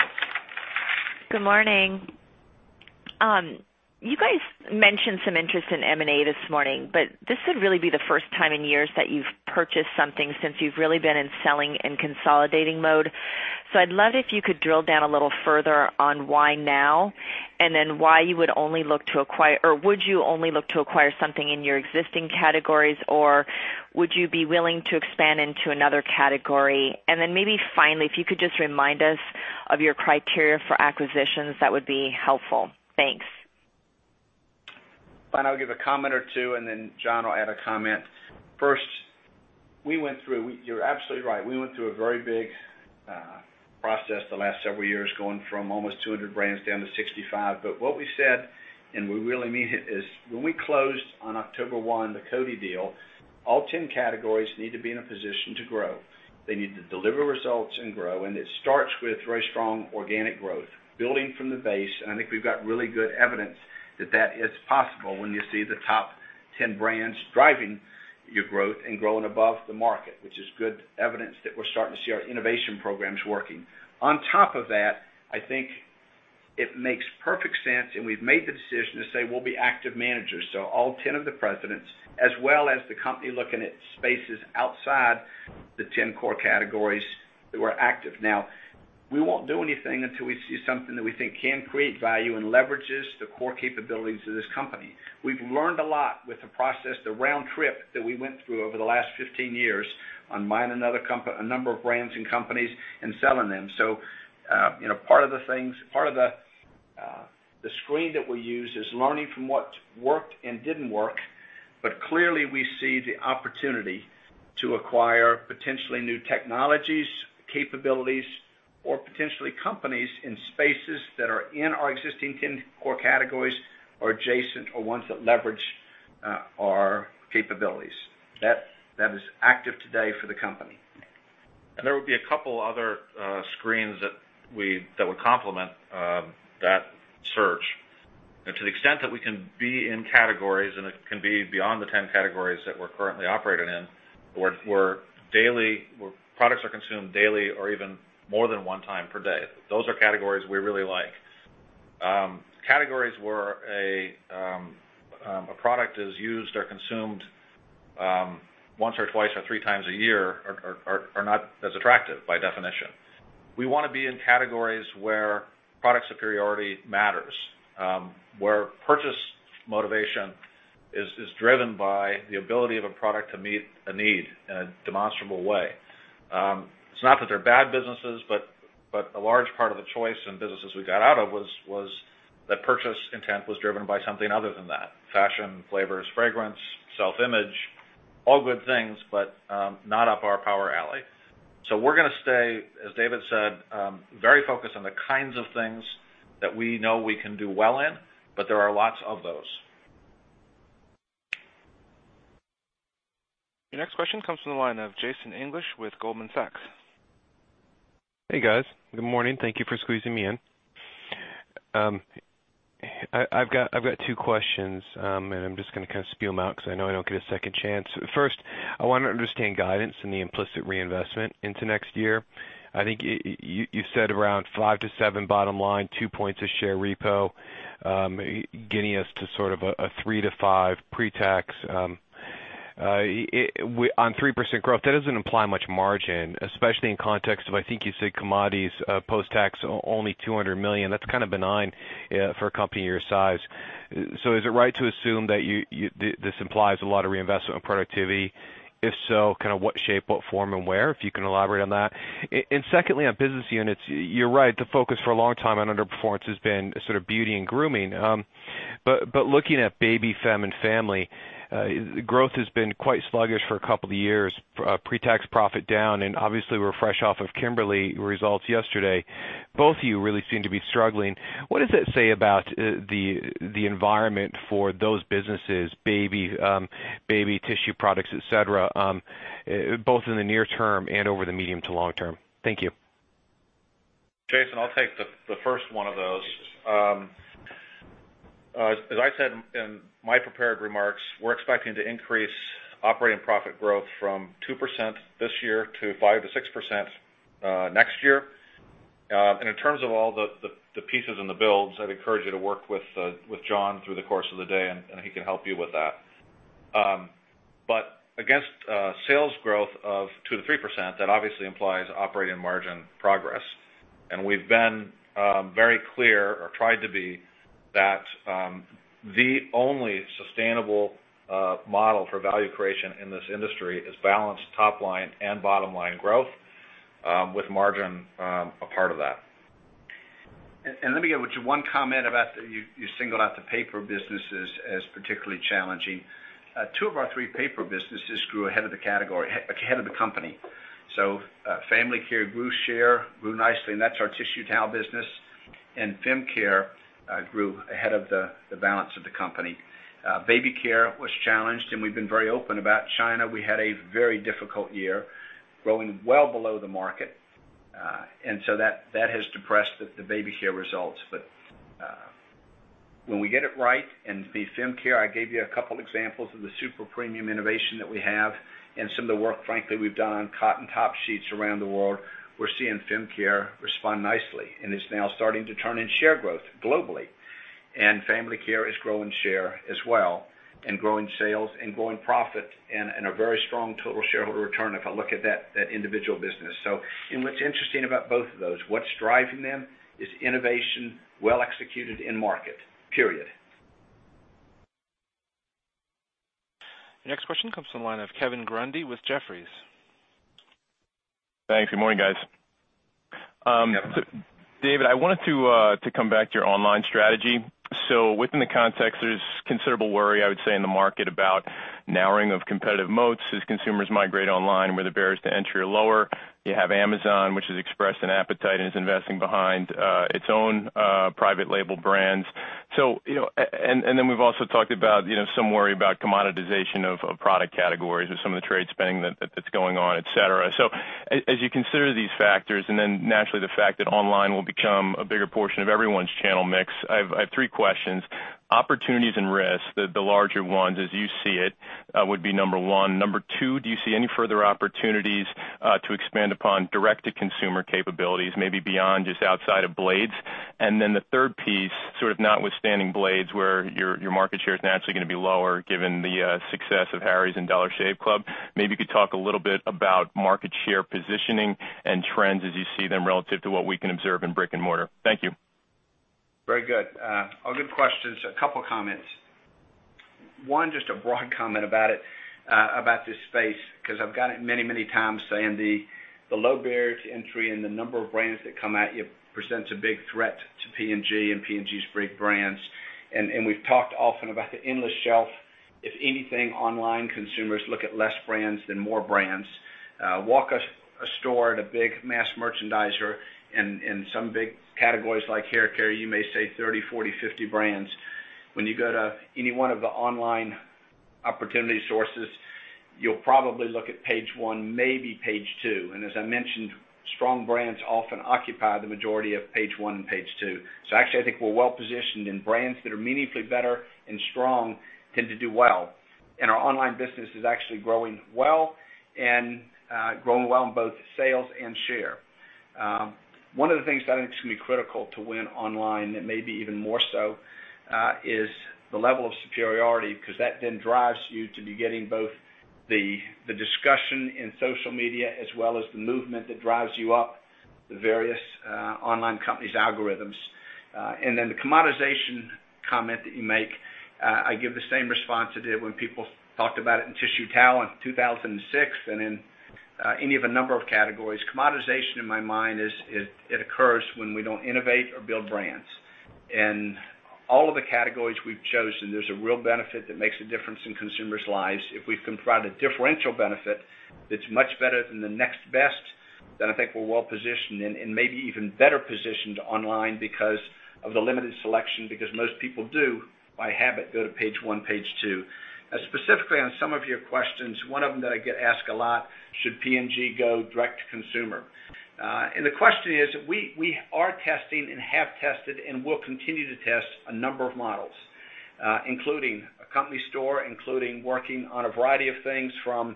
Speaker 13: Good morning. You guys mentioned some interest in M&A this morning, this would really be the first time in years that you've purchased something since you've really been in selling and consolidating mode. I'd love if you could drill down a little further on why now, or would you only look to acquire something in your existing categories, or would you be willing to expand into another category? Maybe finally, if you could just remind us of your criteria for acquisitions, that would be helpful. Thanks.
Speaker 3: Bonnie, I'll give a comment or two, Jon will add a comment. First, you're absolutely right. We went through a very big process the last several years, going from almost 200 brands down to 65. What we said, and we really mean it, is when we closed on October 1, the Coty deal, all 10 categories need to be in a position to grow. They need to deliver results and grow, it starts with very strong organic growth, building from the base. I think we've got really good evidence that that is possible when you see the top 10 brands driving your growth and growing above the market, which is good evidence that we're starting to see our innovation programs working. On top of that, I think it makes perfect sense, we've made the decision to say we'll be active managers. All 10 of the presidents, as well as the company looking at spaces outside the 10 core categories that were active. Now, we won't do anything until we see something that we think can create value leverages the core capabilities of this company. We've learned a lot with the process, the round trip that we went through over the last 15 years on buying a number of brands and companies and selling them. Part of the screen that we use is learning from what worked and didn't work. Clearly, we see the opportunity to acquire potentially new technologies, capabilities, or potentially companies in spaces that are in our existing 10 core categories or adjacent, or ones that leverage our capabilities. That is active today for the company.
Speaker 2: There would be a couple other screens that would complement that search. To the extent that we can be in categories, it can be beyond the 10 categories that we're currently operating in, where products are consumed daily or even more than one time per day. Those are categories we really like. Categories where a product is used or consumed once or twice or three times a year are not as attractive by definition. We want to be in categories where product superiority matters, where purchase motivation is driven by the ability of a product to meet a need in a demonstrable way. It's not that they're bad businesses, a large part of the choice in businesses we got out of was that purchase intent was driven by something other than that. Fashion, flavors, fragrance, self-image, all good things, not up our power alley. We're going to stay, as David said, very focused on the kinds of things that we know we can do well in, but there are lots of those.
Speaker 1: Your next question comes from the line of Jason English with Goldman Sachs.
Speaker 14: Hey, guys. Good morning. Thank you for squeezing me in. I've got two questions, and I'm just going to kind of spew them out because I know I don't get a second chance. First, I want to understand guidance and the implicit reinvestment into next year. I think you said around 5%-7% bottom line, 2 points a share repo, getting us to sort of a 3%-5% pre-tax on 3% growth. That doesn't imply much margin, especially in context of, I think you said commodities post-tax, only $200 million. That's kind of benign for a company your size. Is it right to assume that this implies a lot of reinvestment in productivity? If so, kind of what shape, what form, and where, if you can elaborate on that. Secondly, on business units, you're right. The focus for a long time on underperformance has been sort of beauty and grooming. Looking at Baby, Fem, and Family, growth has been quite sluggish for a couple of years. Pre-tax profit down, and obviously, we're fresh off of Kimberly-Clark results yesterday. Both of you really seem to be struggling. What does that say about the environment for those businesses, baby tissue products, et cetera, both in the near term and over the medium to long term? Thank you.
Speaker 2: Jason, I'll take the first one of those. As I said in my prepared remarks, we're expecting to increase operating profit growth from 2% this year to 5%-6% next year. In terms of all the pieces and the builds, I'd encourage you to work with Jon through the course of the day, and he can help you with that. Against sales growth of 2%-3%, that obviously implies operating margin progress. We've been very clear or tried to be that the only sustainable model for value creation in this industry is balanced top-line and bottom-line growth with margin a part of that.
Speaker 3: Let me give you one comment about that you singled out the paper businesses as particularly challenging. Two of our three paper businesses grew ahead of the company. Family Care grew share, grew nicely, and that's our tissue towel business, and Fem Care grew ahead of the balance of the company. Baby Care was challenged, and we've been very open about China. We had a very difficult year, growing well below the market. That has depressed the Baby Care results. When we get it right in the Fem Care, I gave you a couple examples of the super premium innovation that we have and some of the work, frankly, we've done on cotton top sheets around the world. We're seeing Fem Care respond nicely, and it's now starting to turn in share growth globally. Family Care is growing share as well and growing sales and growing profit and a very strong total shareholder return if I look at that individual business. What's interesting about both of those, what's driving them is innovation well executed in market, period.
Speaker 1: The next question comes from the line of Kevin Grundy with Jefferies.
Speaker 15: Thanks. Good morning, guys.
Speaker 3: Yeah.
Speaker 15: David, I wanted to come back to your online strategy. Within the context, there's considerable worry, I would say, in the market about narrowing of competitive moats as consumers migrate online where the barriers to entry are lower. You have Amazon, which has expressed an appetite and is investing behind its own private label brands. We've also talked about some worry about commoditization of product categories with some of the trade spending that's going on, et cetera. As you consider these factors, naturally the fact that online will become a bigger portion of everyone's channel mix, I have three questions. Opportunities and risks, the larger ones as you see it, would be number 1. Number 2, do you see any further opportunities to expand upon direct-to-consumer capabilities, maybe beyond just outside of blades? The third piece, sort of notwithstanding blades, where your market share is naturally going to be lower given the success of Harry's and Dollar Shave Club. Maybe you could talk a little bit about market share positioning and trends as you see them relative to what we can observe in brick and mortar. Thank you.
Speaker 3: Very good. All good questions. A couple of comments. One, just a broad comment about this space, because I've got it many times saying the low barrier to entry and the number of brands that come at you presents a big threat to P&G and P&G's big brands. We've talked often about the endless shelf. If anything, online consumers look at less brands than more brands. Walk a store at a big mass merchandiser in some big categories like hair care, you may see 30, 40, 50 brands. When you go to any one of the online opportunity sources, you'll probably look at page one, maybe page two. As I mentioned, strong brands often occupy the majority of page one and page two. Actually, I think we're well-positioned, and brands that are meaningfully better and strong tend to do well. Our online business is actually growing well, growing well in both sales and share. One of the things that I think is going to be critical to win online, maybe even more so, is the level of superiority, because that drives you to be getting both the discussion in social media as well as the movement that drives you up the various online company's algorithms. The commoditization comment that you make, I give the same response I did when people talked about it in tissue towel in 2006 and in any of a number of categories. Commoditization in my mind occurs when we don't innovate or build brands. All of the categories we've chosen, there's a real benefit that makes a difference in consumers' lives. If we can provide a differential benefit that's much better than the next best I think we're well-positioned, and maybe even better positioned online because of the limited selection, because most people do, by habit, go to page one, page two. Specifically on some of your questions, one of them that I get asked a lot, "Should P&G go direct to consumer?" The question is, we are testing and have tested, and will continue to test a number of models, including a company store, including working on a variety of things from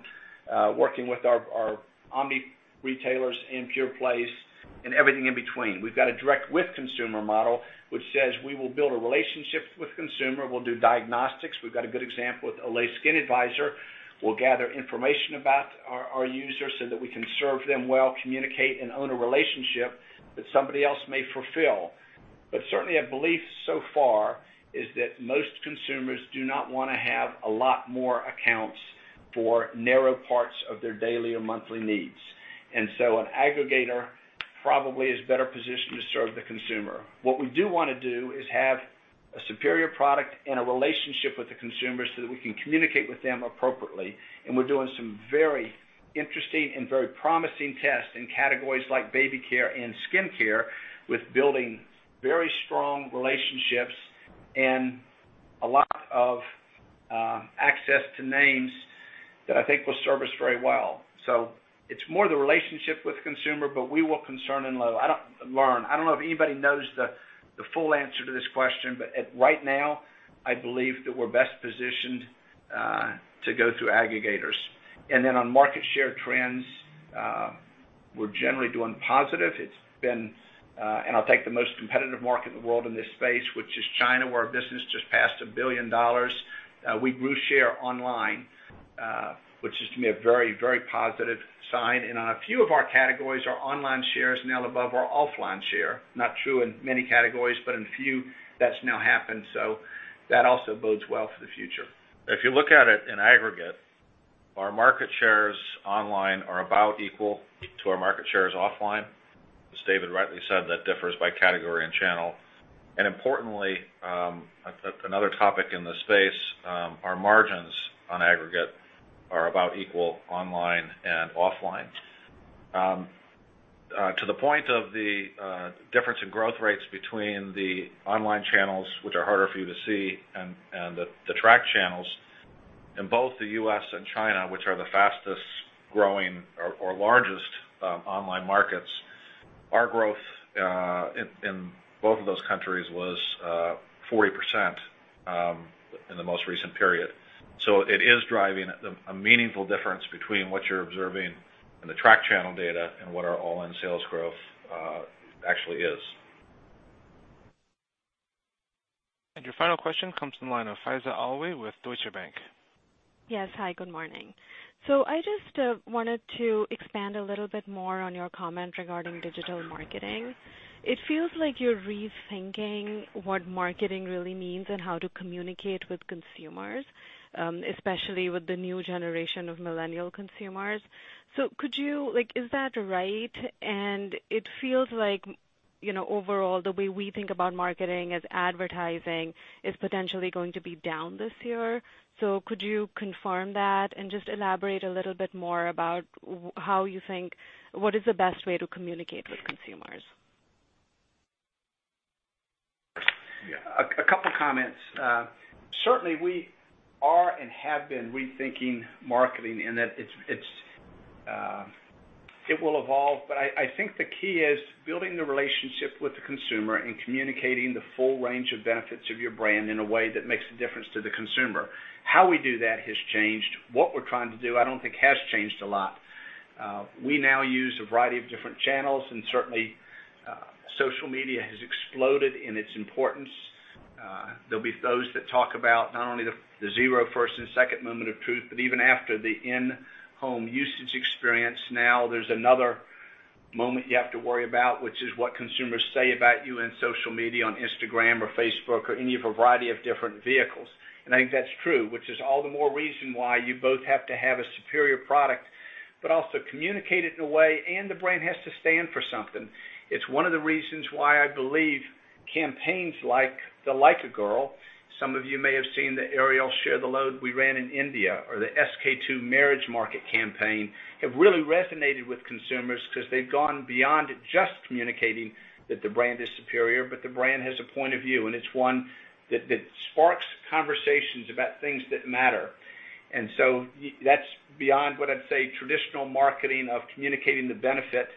Speaker 3: working with our omni-retailers in pure-plays and everything in between. We've got a direct with consumer model, which says we will build a relationship with consumer. We'll do diagnostics. We've got a good example with Olay Skin Advisor. We'll gather information about our users so that we can serve them well, communicate, and own a relationship that somebody else may fulfill. Certainly, a belief so far is that most consumers do not want to have a lot more accounts for narrow parts of their daily or monthly needs. An aggregator probably is better positioned to serve the consumer. What we do want to do is have a superior product and a relationship with the consumer so that we can communicate with them appropriately. We're doing some very interesting and very promising tests in categories like baby care and skincare with building very strong relationships and a lot of access to names that I think will serve us very well. It's more the relationship with the consumer, but we will concern and learn. I don't know if anybody knows the full answer to this question, right now, I believe that we're best positioned to go through aggregators. On market share trends, we're generally doing positive. I'll take the most competitive market in the world in this space, which is China, where our business just passed $1 billion. We grew share online, which is to me a very positive sign. On a few of our categories, our online share is now above our offline share. Not true in many categories, but in a few, that's now happened. That also bodes well for the future.
Speaker 2: If you look at it in aggregate, our market shares online are about equal to our market shares offline. As David rightly said, that differs by category and channel. Importantly, another topic in the space, our margins on aggregate are about equal online and offline. To the point of the difference in growth rates between the online channels, which are harder for you to see, and the track channels in both the U.S. and China, which are the fastest-growing or largest online markets. Our growth in both of those countries was 40% in the most recent period. It is driving a meaningful difference between what you're observing in the track channel data and what our online sales growth actually is.
Speaker 1: Your final question comes from the line of Faiza Alwy with Deutsche Bank.
Speaker 16: Yes. Hi, good morning. I just wanted to expand a little bit more on your comment regarding digital marketing. It feels like you're rethinking what marketing really means and how to communicate with consumers, especially with the new generation of millennial consumers. Could you Is that right? It feels like, overall, the way we think about marketing as advertising is potentially going to be down this year. Could you confirm that and just elaborate a little bit more about how you think What is the best way to communicate with consumers?
Speaker 3: Yeah. A couple of comments. Certainly, we are and have been rethinking marketing, and that it will evolve. I think the key is building the relationship with the consumer and communicating the full range of benefits of your brand in a way that makes a difference to the consumer. How we do that has changed. What we're trying to do, I don't think has changed a lot. We now use a variety of different channels, and certainly, social media has exploded in its importance. There'll be those that talk about not only the zero first and second moment of truth, but even after the in-home usage experience. Now there's another moment you have to worry about, which is what consumers say about you in social media, on Instagram or Facebook, or any of a variety of different vehicles. I think that's true, which is all the more reason why you both have to have a superior product, but also communicate it in a way, and the brand has to stand for something. It's one of the reasons why I believe campaigns like the Like a Girl. Some of you may have seen the Ariel Share the Load we ran in India or the SK-II Marriage Market campaign have really resonated with consumers because they've gone beyond just communicating that the brand is superior, but the brand has a point of view, and it's one that sparks conversations about things that matter. So that's beyond what I'd say, traditional marketing of communicating the benefit of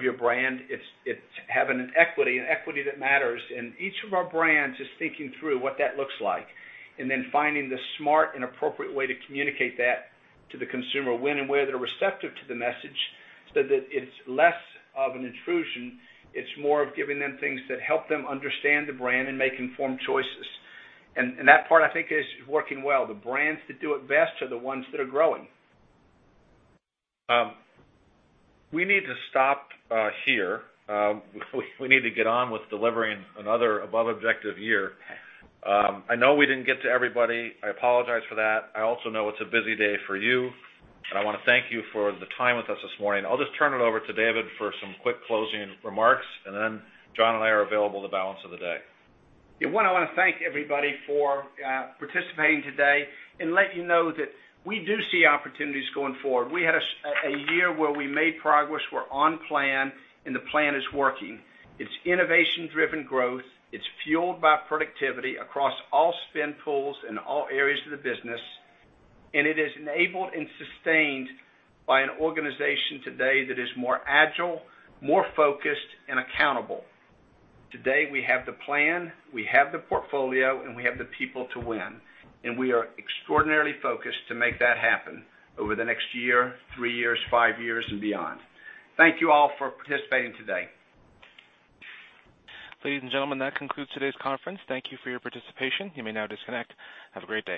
Speaker 3: your brand. It's having an equity, an equity that matters. Each of our brands is thinking through what that looks like, and then finding the smart and appropriate way to communicate that to the consumer when and where they're receptive to the message, so that it's less of an intrusion. It's more of giving them things that help them understand the brand and make informed choices. That part, I think, is working well. The brands that do it best are the ones that are growing.
Speaker 2: We need to stop here. We need to get on with delivering another above objective year. I know we didn't get to everybody. I apologize for that. I also know it's a busy day for you, and I want to thank you for the time with us this morning. I'll just turn it over to David for some quick closing remarks, and then Jon and I are available the balance of the day.
Speaker 3: One, I want to thank everybody for participating today and let you know that we do see opportunities going forward. We had a year where we made progress. We're on plan, and the plan is working. It's innovation-driven growth. It's fueled by productivity across all spend pools and all areas of the business, and it is enabled and sustained by an organization today that is more agile, more focused, and accountable. Today, we have the plan, we have the portfolio, and we have the people to win, and we are extraordinarily focused to make that happen over the next year, three years, five years, and beyond. Thank you all for participating today.
Speaker 1: Ladies and gentlemen, that concludes today's conference. Thank you for your participation. You may now disconnect. Have a great day.